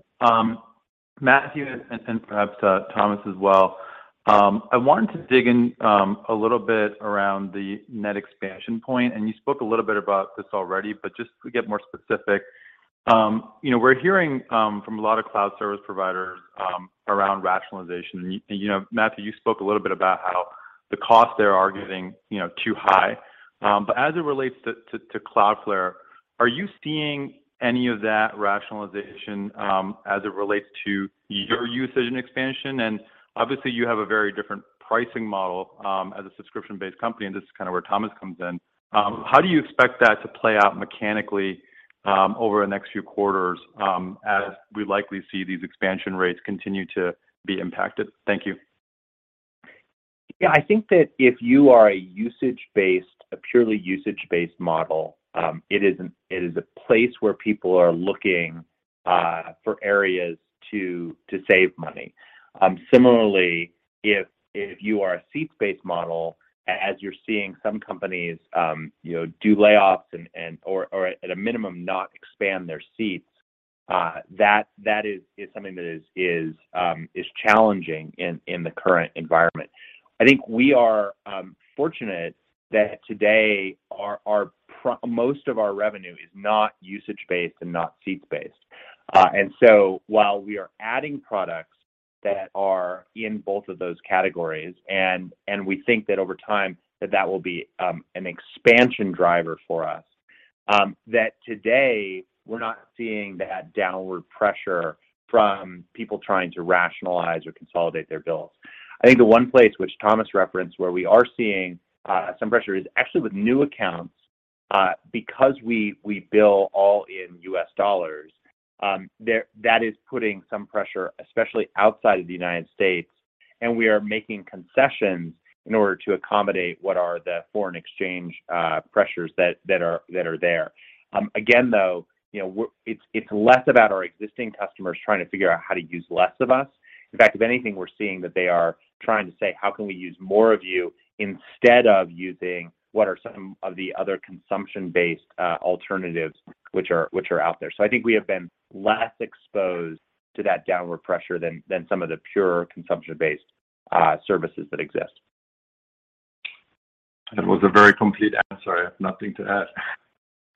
L: Matthew, and perhaps Thomas as well, I wanted to dig in a little bit around the net expansion point, and you spoke a little bit about this already, but just to get more specific. You know, we're hearing from a lot of cloud service providers around rationalization. You know, Matthew, you spoke a little bit about how the costs there are getting you know, too high. As it relates to Cloudflare, are you seeing any of that rationalization as it relates to your usage and expansion? Obviously, you have a very different pricing model as a subscription-based company, and this is kind of where Thomas comes in. How do you expect that to play out mechanically, over the next few quarters, as we likely see these expansion rates continue to be impacted? Thank you.
C: Yeah. I think that if you are a purely usage-based model, it is a place where people are looking for areas to save money. Similarly, if you are a seats-based model, as you're seeing some companies, you know, do layoffs or, at a minimum, not expand their seats, that is something that is challenging in the current environment. I think we are fortunate that today most of our revenue is not usage-based and not seats-based. While we are adding products that are in both of those categories, and we think that over time that will be an expansion driver for us, that today we're not seeing that downward pressure from people trying to rationalize or consolidate their bills. I think the one place which Thomas referenced, where we are seeing some pressure, is actually with new accounts, because we bill all in U.S. dollars. That is putting some pressure, especially outside of the United States, and we are making concessions in order to accommodate what are the foreign exchange pressures that are there. Again, though, you know, it's less about our existing customers trying to figure out how to use less of us. In fact, if anything, we're seeing that they are trying to say, "How can we use more of you instead of using what are some of the other consumption-based alternatives which are out there?" I think we have been less exposed to that downward pressure than some of the pure consumption-based services that exist.
L: That was a very complete answer. I have nothing to add.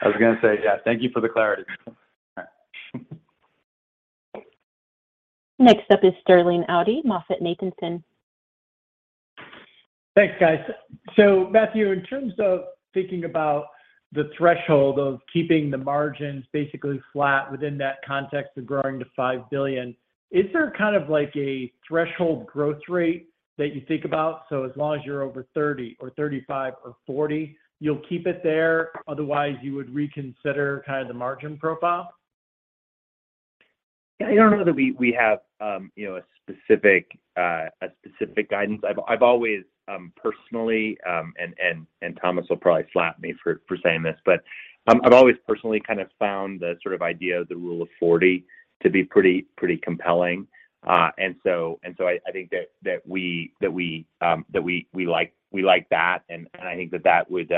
L: I was gonna say, yeah, thank you for the clarity.
A: Next up is Sterling Auty, MoffettNathanson.
M: Thanks, guys. Matthew, in terms of thinking about the threshold of keeping the margins basically flat within that context of growing to $5 billion, is there kind of like a threshold growth rate that you think about? As long as you're over 30% or 35% or 40%, you'll keep it there, otherwise you would reconsider kind of the margin profile?
C: Yeah, I don't know that we have, you know, a specific guidance. I've always personally, and Thomas will probably slap me for saying this, but I've always personally kind of found the sort of idea of the rule of 40 to be pretty compelling. I think that we like that, and I think that would,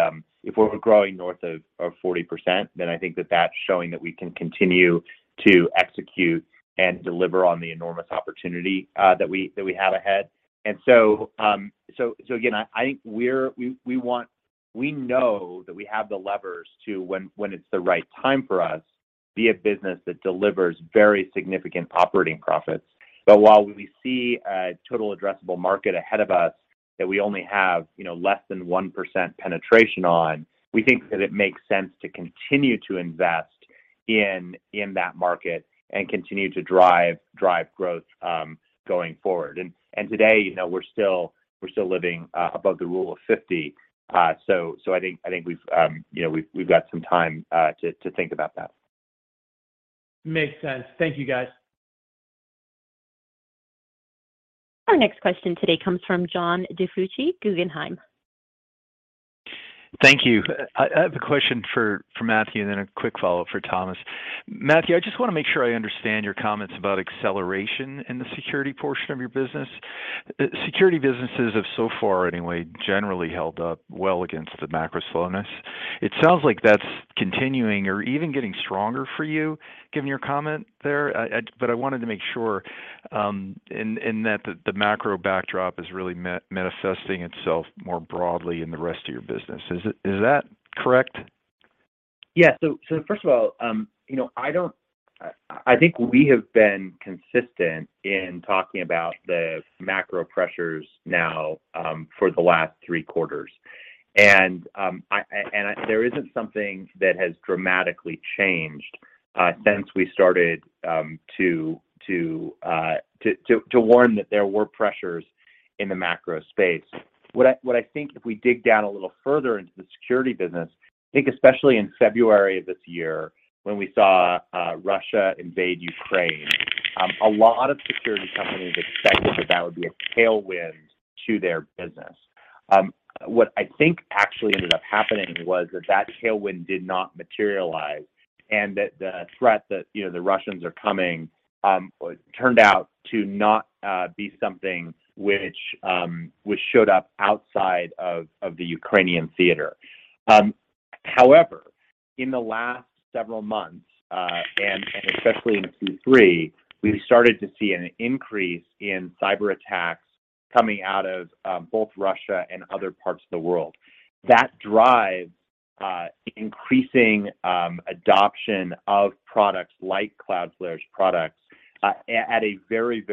C: if we're growing north of 40%, then I think that that's showing that we can continue to execute and deliver on the enormous opportunity that we have ahead. I think we know that we have the levers to, when it's the right time for us, be a business that delivers very significant operating profits. While we see a total addressable market ahead of us that we only have, you know, less than 1% penetration on, we think that it makes sense to continue to invest in that market and continue to drive growth going forward. Today, you know, we're still living above the rule of 50, so I think we've, you know, we've got some time to think about that.
M: Makes sense. Thank you, guys.
A: Our next question today comes from John DiFucci, Guggenheim.
N: Thank you. I have a question for Matthew and then a quick follow-up for Thomas. Matthew, I just wanna make sure I understand your comments about acceleration in the security portion of your business. Security businesses have, so far anyway, generally held up well against the macro slowness. It sounds like that's continuing or even getting stronger for you, given your comment there. I wanted to make sure, in that the macro backdrop is really manifesting itself more broadly in the rest of your business. Is that correct?
C: Yeah. First of all, you know, I think we have been consistent in talking about the macro pressures now for the last three quarters. I think there isn't something that has dramatically changed since we started to warn that there were pressures in the macro space. What I think if we dig down a little further into the security business, I think especially in February of this year when we saw Russia invade Ukraine, a lot of security companies expected that would be a tailwind to their business. What I think actually ended up happening was that tailwind did not materialize and that the threat that, you know, the Russians are coming, turned out to not be something which showed up outside of the Ukrainian theater. However, in the last several months and especially in Q3, we started to see an increase in cyberattacks coming out of both Russia and other parts of the world. That drives increasing adoption of products like Cloudflare's products at a very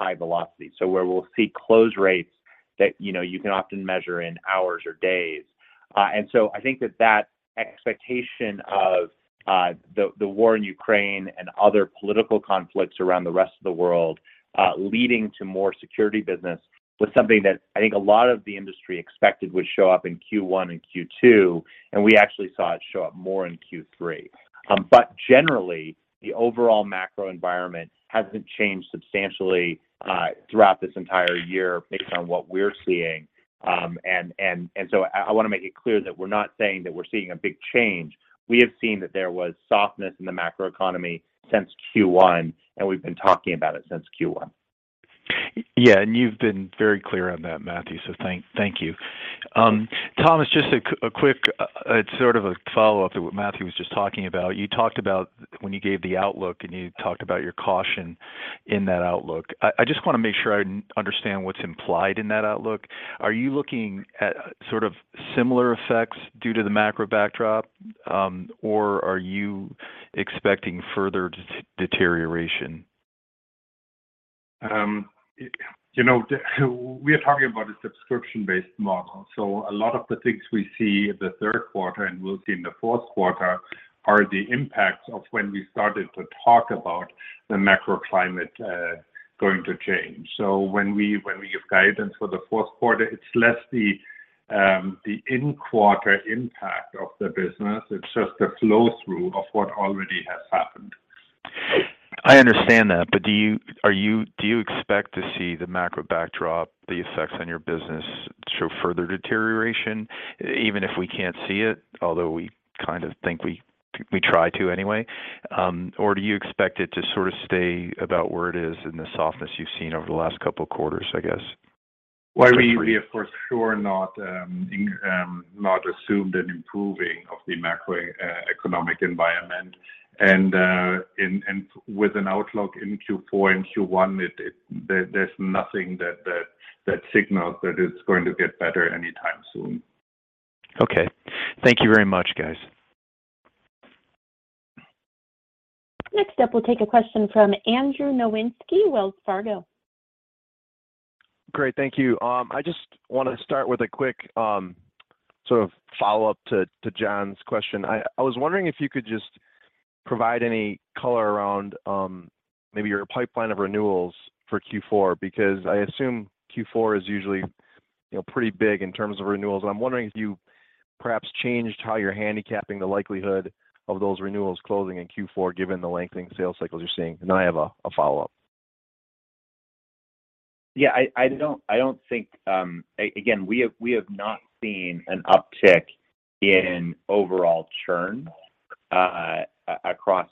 C: high velocity, so where we'll see close rates that, you know, you can often measure in hours or days. I think that expectation of the war in Ukraine and other political conflicts around the rest of the world leading to more security business was something that I think a lot of the industry expected would show up in Q1 and Q2, and we actually saw it show up more in Q3. Generally, the overall macro environment hasn't changed substantially throughout this entire year based on what we're seeing. I wanna make it clear that we're not saying that we're seeing a big change. We have seen that there was softness in the macro economy since Q1, and we've been talking about it since Q1.
N: Yeah, you've been very clear on that, Matthew, so thank you. Thomas, just a quick sort of a follow-up to what Matthew was just talking about. You talked about when you gave the outlook, and you talked about your caution in that outlook. I just wanna make sure I understand what's implied in that outlook. Are you looking at sort of similar effects due to the macro backdrop, or are you expecting further deterioration?
F: You know, we are talking about a subscription-based model, so a lot of the things we see in the third quarter and we'll see in the fourth quarter are the impacts of when we started to talk about the macro climate going to change. When we give guidance for the fourth quarter, it's less the in-quarter impact of the business. It's just the flow-through of what already has happened.
N: I understand that, but do you expect to see the macro backdrop, the effects on your business show further deterioration, even if we can't see it, although we kind of think we try to anyway? Or do you expect it to sort of stay about where it is in the softness you've seen over the last couple quarters, I guess?
F: Well, we of course did not assume an improvement in the macroeconomic environment. With an outlook in Q4 and Q1, there's nothing that signals that it's going to get better anytime soon.
N: Okay. Thank you very much, guys.
A: Next up, we'll take a question from Andrew Nowinski, Wells Fargo.
O: Great. Thank you. I just wanna start with a quick, sort of follow-up to John's question. I was wondering if you could just provide any color around, maybe your pipeline of renewals for Q4 because I assume Q4 is usually, you know, pretty big in terms of renewals. I'm wondering if you perhaps changed how you're handicapping the likelihood of those renewals closing in Q4 given the lengthening sales cycles you're seeing. I have a follow-up.
C: Yeah. I don't think. Again, we have not seen an uptick in overall churn across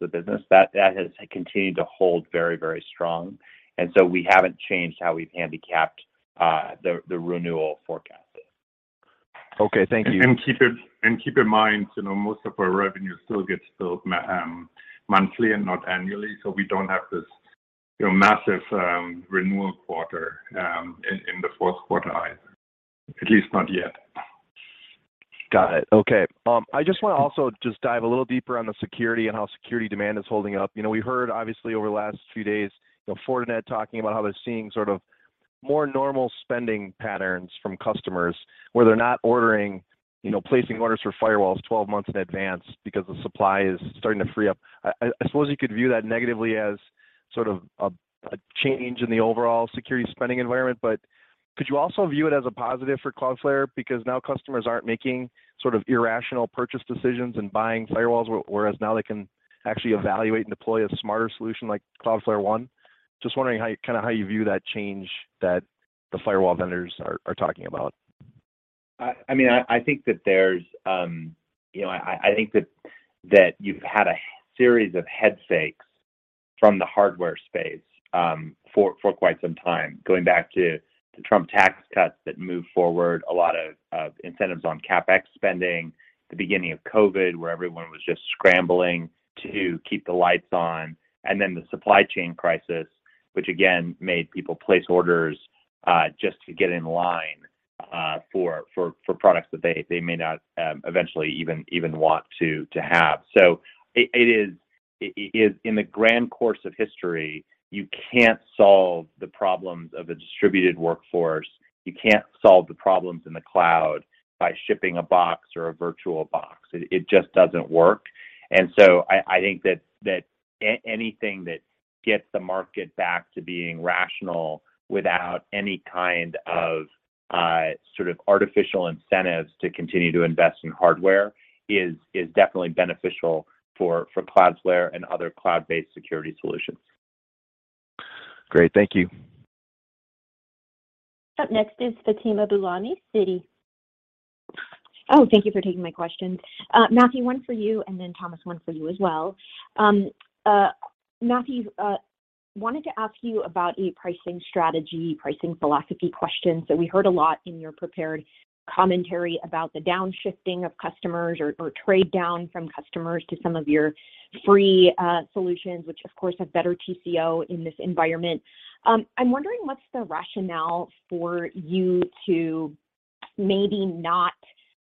C: the business. That has continued to hold very strong. We haven't changed how we've handicapped the renewal forecast.
O: Okay, thank you.
F: Keep in mind, you know, most of our revenue still gets billed monthly and not annually, so we don't have this, you know, massive renewal quarter in the fourth quarter either, at least not yet.
O: Got it. Okay. I just wanna also just dive a little deeper on the security and how security demand is holding up. You know, we heard obviously over the last few days, you know, Fortinet talking about how they're seeing sort of more normal spending patterns from customers where they're not ordering, you know, placing orders for firewalls twelve months in advance because the supply is starting to free up. I suppose you could view that negatively as sort of a change in the overall security spending environment. Could you also view it as a positive for Cloudflare because now customers aren't making sort of irrational purchase decisions and buying firewalls, whereas now they can actually evaluate and deploy a smarter solution like Cloudflare One? Just wondering how, kinda how you view that change that the firewall vendors are talking about.
C: I mean, I think that there's, you know, I think that you've had a series of head fakes from the hardware space for quite some time, going back to the Trump tax cuts that moved forward a lot of incentives on CapEx spending, the beginning of COVID where everyone was just scrambling to keep the lights on, and then the supply chain crisis which again made people place orders just to get in line for products that they may not eventually even want to have. It is in the grand course of history, you can't solve the problems of a distributed workforce, you can't solve the problems in the cloud by shipping a box or a virtual box. It just doesn't work. I think that anything that gets the market back to being rational without any kind of sort of artificial incentives to continue to invest in hardware is definitely beneficial for Cloudflare and other cloud-based security solutions.
O: Great. Thank you.
A: Up next is Fatima Boolani, Citi.
P: Oh, thank you for taking my question. Matthew, one for you, and then Thomas, one for you as well. Matthew, wanted to ask you about a pricing strategy, pricing philosophy question. We heard a lot in your prepared commentary about the downshifting of customers or trade down from customers to some of your free solutions, which of course have better TCO in this environment. I'm wondering what's the rationale for you to maybe not,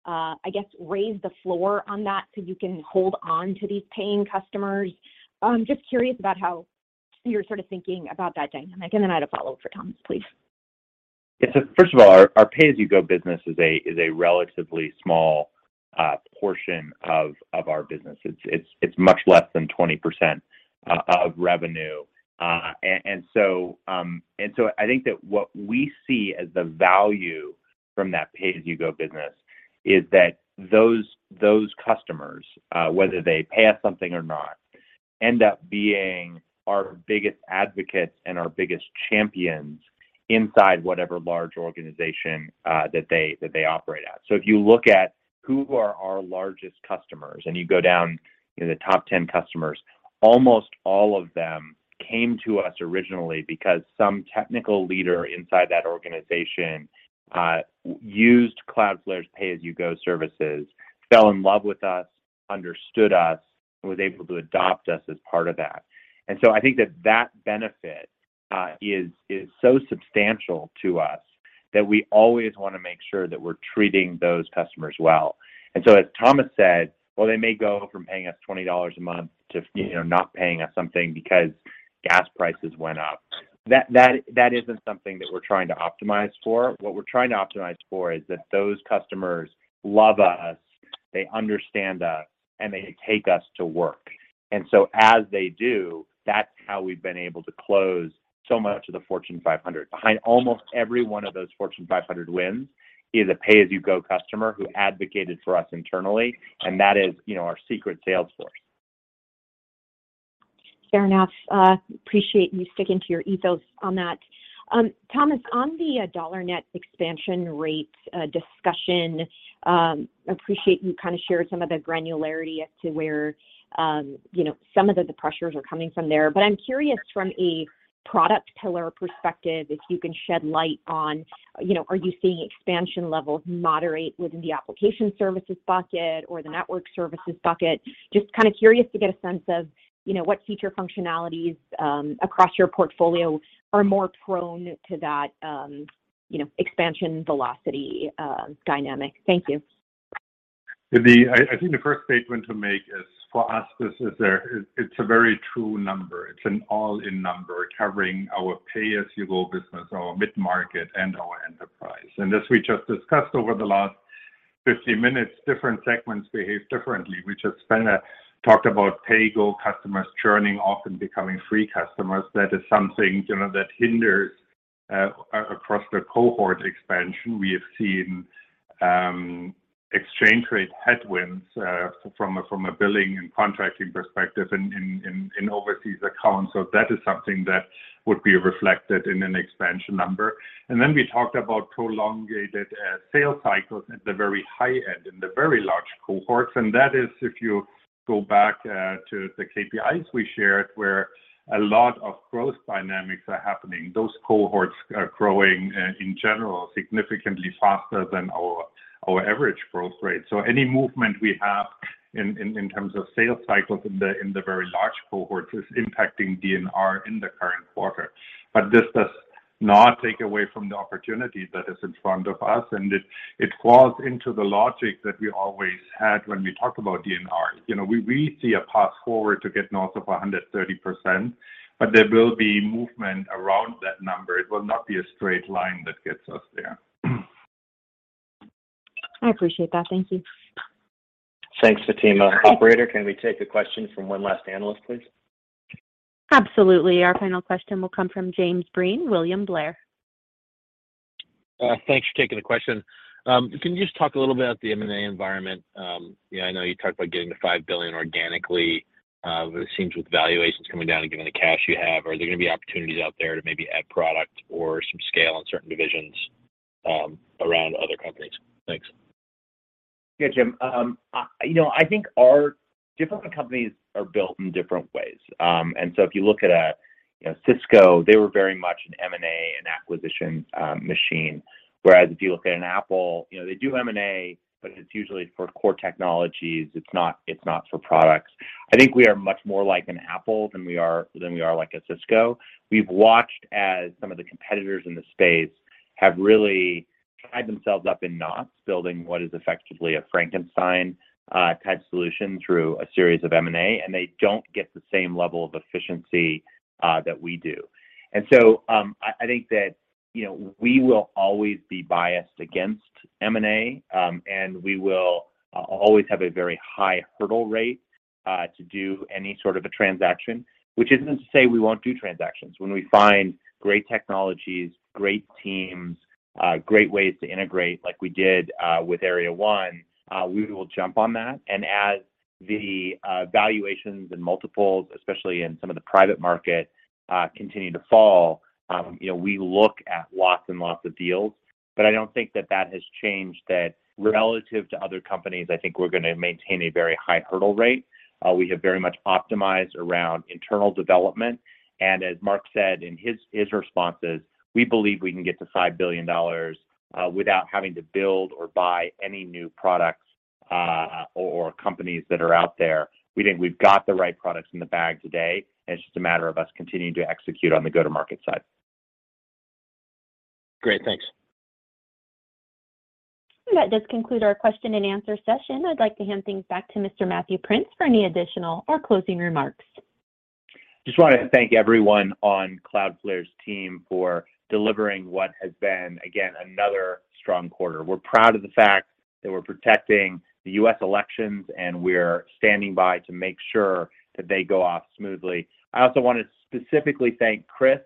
P: I guess, raise the floor on that so you can hold on to these paying customers? Just curious about how you're sort of thinking about that dynamic. Then I had a follow-up for Thomas, please.
C: Yeah. First of all, our pay-as-you-go business is a relatively small portion of our business. It's much less than 20% of revenue. I think that what we see as the value from that pay-as-you-go business is that those customers, whether they pay us something or not, end up being our biggest advocates and our biggest champions inside whatever large organization that they operate at. If you look at who are our largest customers, and you go down, you know, the top 10 customers, almost all of them came to us originally because some technical leader inside that organization used Cloudflare's pay-as-you-go services, fell in love with us, understood us, and was able to adopt us as part of that. I think that benefit is so substantial to us that we always wanna make sure that we're treating those customers well. As Thomas said, while they may go from paying us $20 a month to, you know, not paying us something because gas prices went up, that isn't something that we're trying to optimize for. What we're trying to optimize for is that those customers love us, they understand us, and they take us to work. As they do, that's how we've been able to close so much of the Fortune 500. Behind almost every one of those Fortune 500 wins is a pay-as-you-go customer who advocated for us internally, and that is, you know, our secret sales force.
P: Fair enough. Appreciate you sticking to your ethos on that. Thomas, on the dollar net expansion rate discussion, appreciate you kinda shared some of the granularity as to where, you know, some of the pressures are coming from there. But I'm curious from a product pillar perspective if you can shed light on, you know, are you seeing expansion levels moderate within the application services bucket or the network services bucket? Just kinda curious to get a sense of, you know, what feature functionalities across your portfolio are more prone to that, you know, expansion velocity dynamic. Thank you.
F: I think the first statement to make is for us, this is a, it's a very true number. It's an all-in number covering our pay-as-you-go business, our mid-market, and our enterprise. As we just discussed over the last 50 minutes, different segments behave differently. We just talked about pay-go customers churning, often becoming free customers. That is something, you know, that hinders across the cohort expansion. We have seen exchange rate headwinds from a billing and contracting perspective in overseas accounts. So that is something that would be reflected in an expansion number. Then we talked about prolonged sales cycles at the very high end, in the very large cohorts. That is if you go back to the KPIs we shared, where a lot of growth dynamics are happening. Those cohorts are growing in general significantly faster than our average growth rate. Any movement we have in terms of sales cycles in the very large cohorts is impacting DNR in the current quarter. This does not take away from the opportunity that is in front of us, and it falls into the logic that we always had when we talk about DNR. You know, we see a path forward to get north of 130%, but there will be movement around that number. It will not be a straight line that gets us there.
P: I appreciate that. Thank you.
C: Thanks, Fatima. Operator, can we take a question from one last analyst, please?
A: Absolutely. Our final question will come from James Breen, William Blair.
Q: Thanks for taking the question. Can you just talk a little bit about the M&A environment? You know, I know you talked about getting to $5 billion organically. It seems with valuations coming down and given the cash you have, are there gonna be opportunities out there to maybe add product or some scale in certain divisions, around other companies? Thanks.
C: Yeah, Jim. You know, I think our different companies are built in different ways. If you look at, you know, Cisco, they were very much an M&A and acquisition machine. Whereas if you look at an Apple, you know, they do M&A, but it's usually for core technologies. It's not for products. I think we are much more like an Apple than we are like a Cisco. We've watched as some of the competitors in the space have really tied themselves up in knots building what is effectively a Frankenstein type solution through a series of M&A, and they don't get the same level of efficiency that we do. I think that, you know, we will always be biased against M&A, and we will always have a very high hurdle rate to do any sort of a transaction, which isn't to say we won't do transactions. When we find great technologies, great teams, great ways to integrate like we did with Area 1, we will jump on that. As the valuations and multiples, especially in some of the private market, continue to fall, you know, we look at lots and lots of deals. I don't think that has changed that relative to other companies, I think we're gonna maintain a very high hurdle rate. We have very much optimized around internal development. As Marc said in his responses, we believe we can get to $5 billion without having to build or buy any new products or companies that are out there. We think we've got the right products in the bag today, and it's just a matter of us continuing to execute on the go-to-market side.
Q: Great. Thanks.
A: That does conclude our question and answer session. I'd like to hand things back to Mr. Matthew Prince for any additional or closing remarks.
C: Just wanna thank everyone on Cloudflare's team for delivering what has been, again, another strong quarter. We're proud of the fact that we're protecting the U.S. elections, and we're standing by to make sure that they go off smoothly. I also wanna specifically thank Chris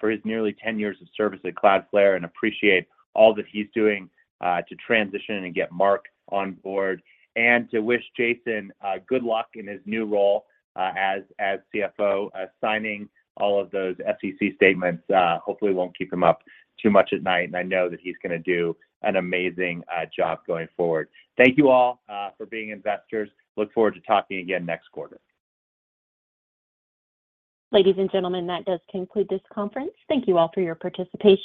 C: for his nearly 10 years of service at Cloudflare and appreciate all that he's doing to transition and get Marc on board. To wish Thomas good luck in his new role as CFO signing all of those SEC statements, hopefully won't keep him up too much at night, and I know that he's gonna do an amazing job going forward. Thank you all for being investors. Look forward to talking again next quarter.
A: Ladies and gentlemen, that does conclude this conference. Thank you all for your participation.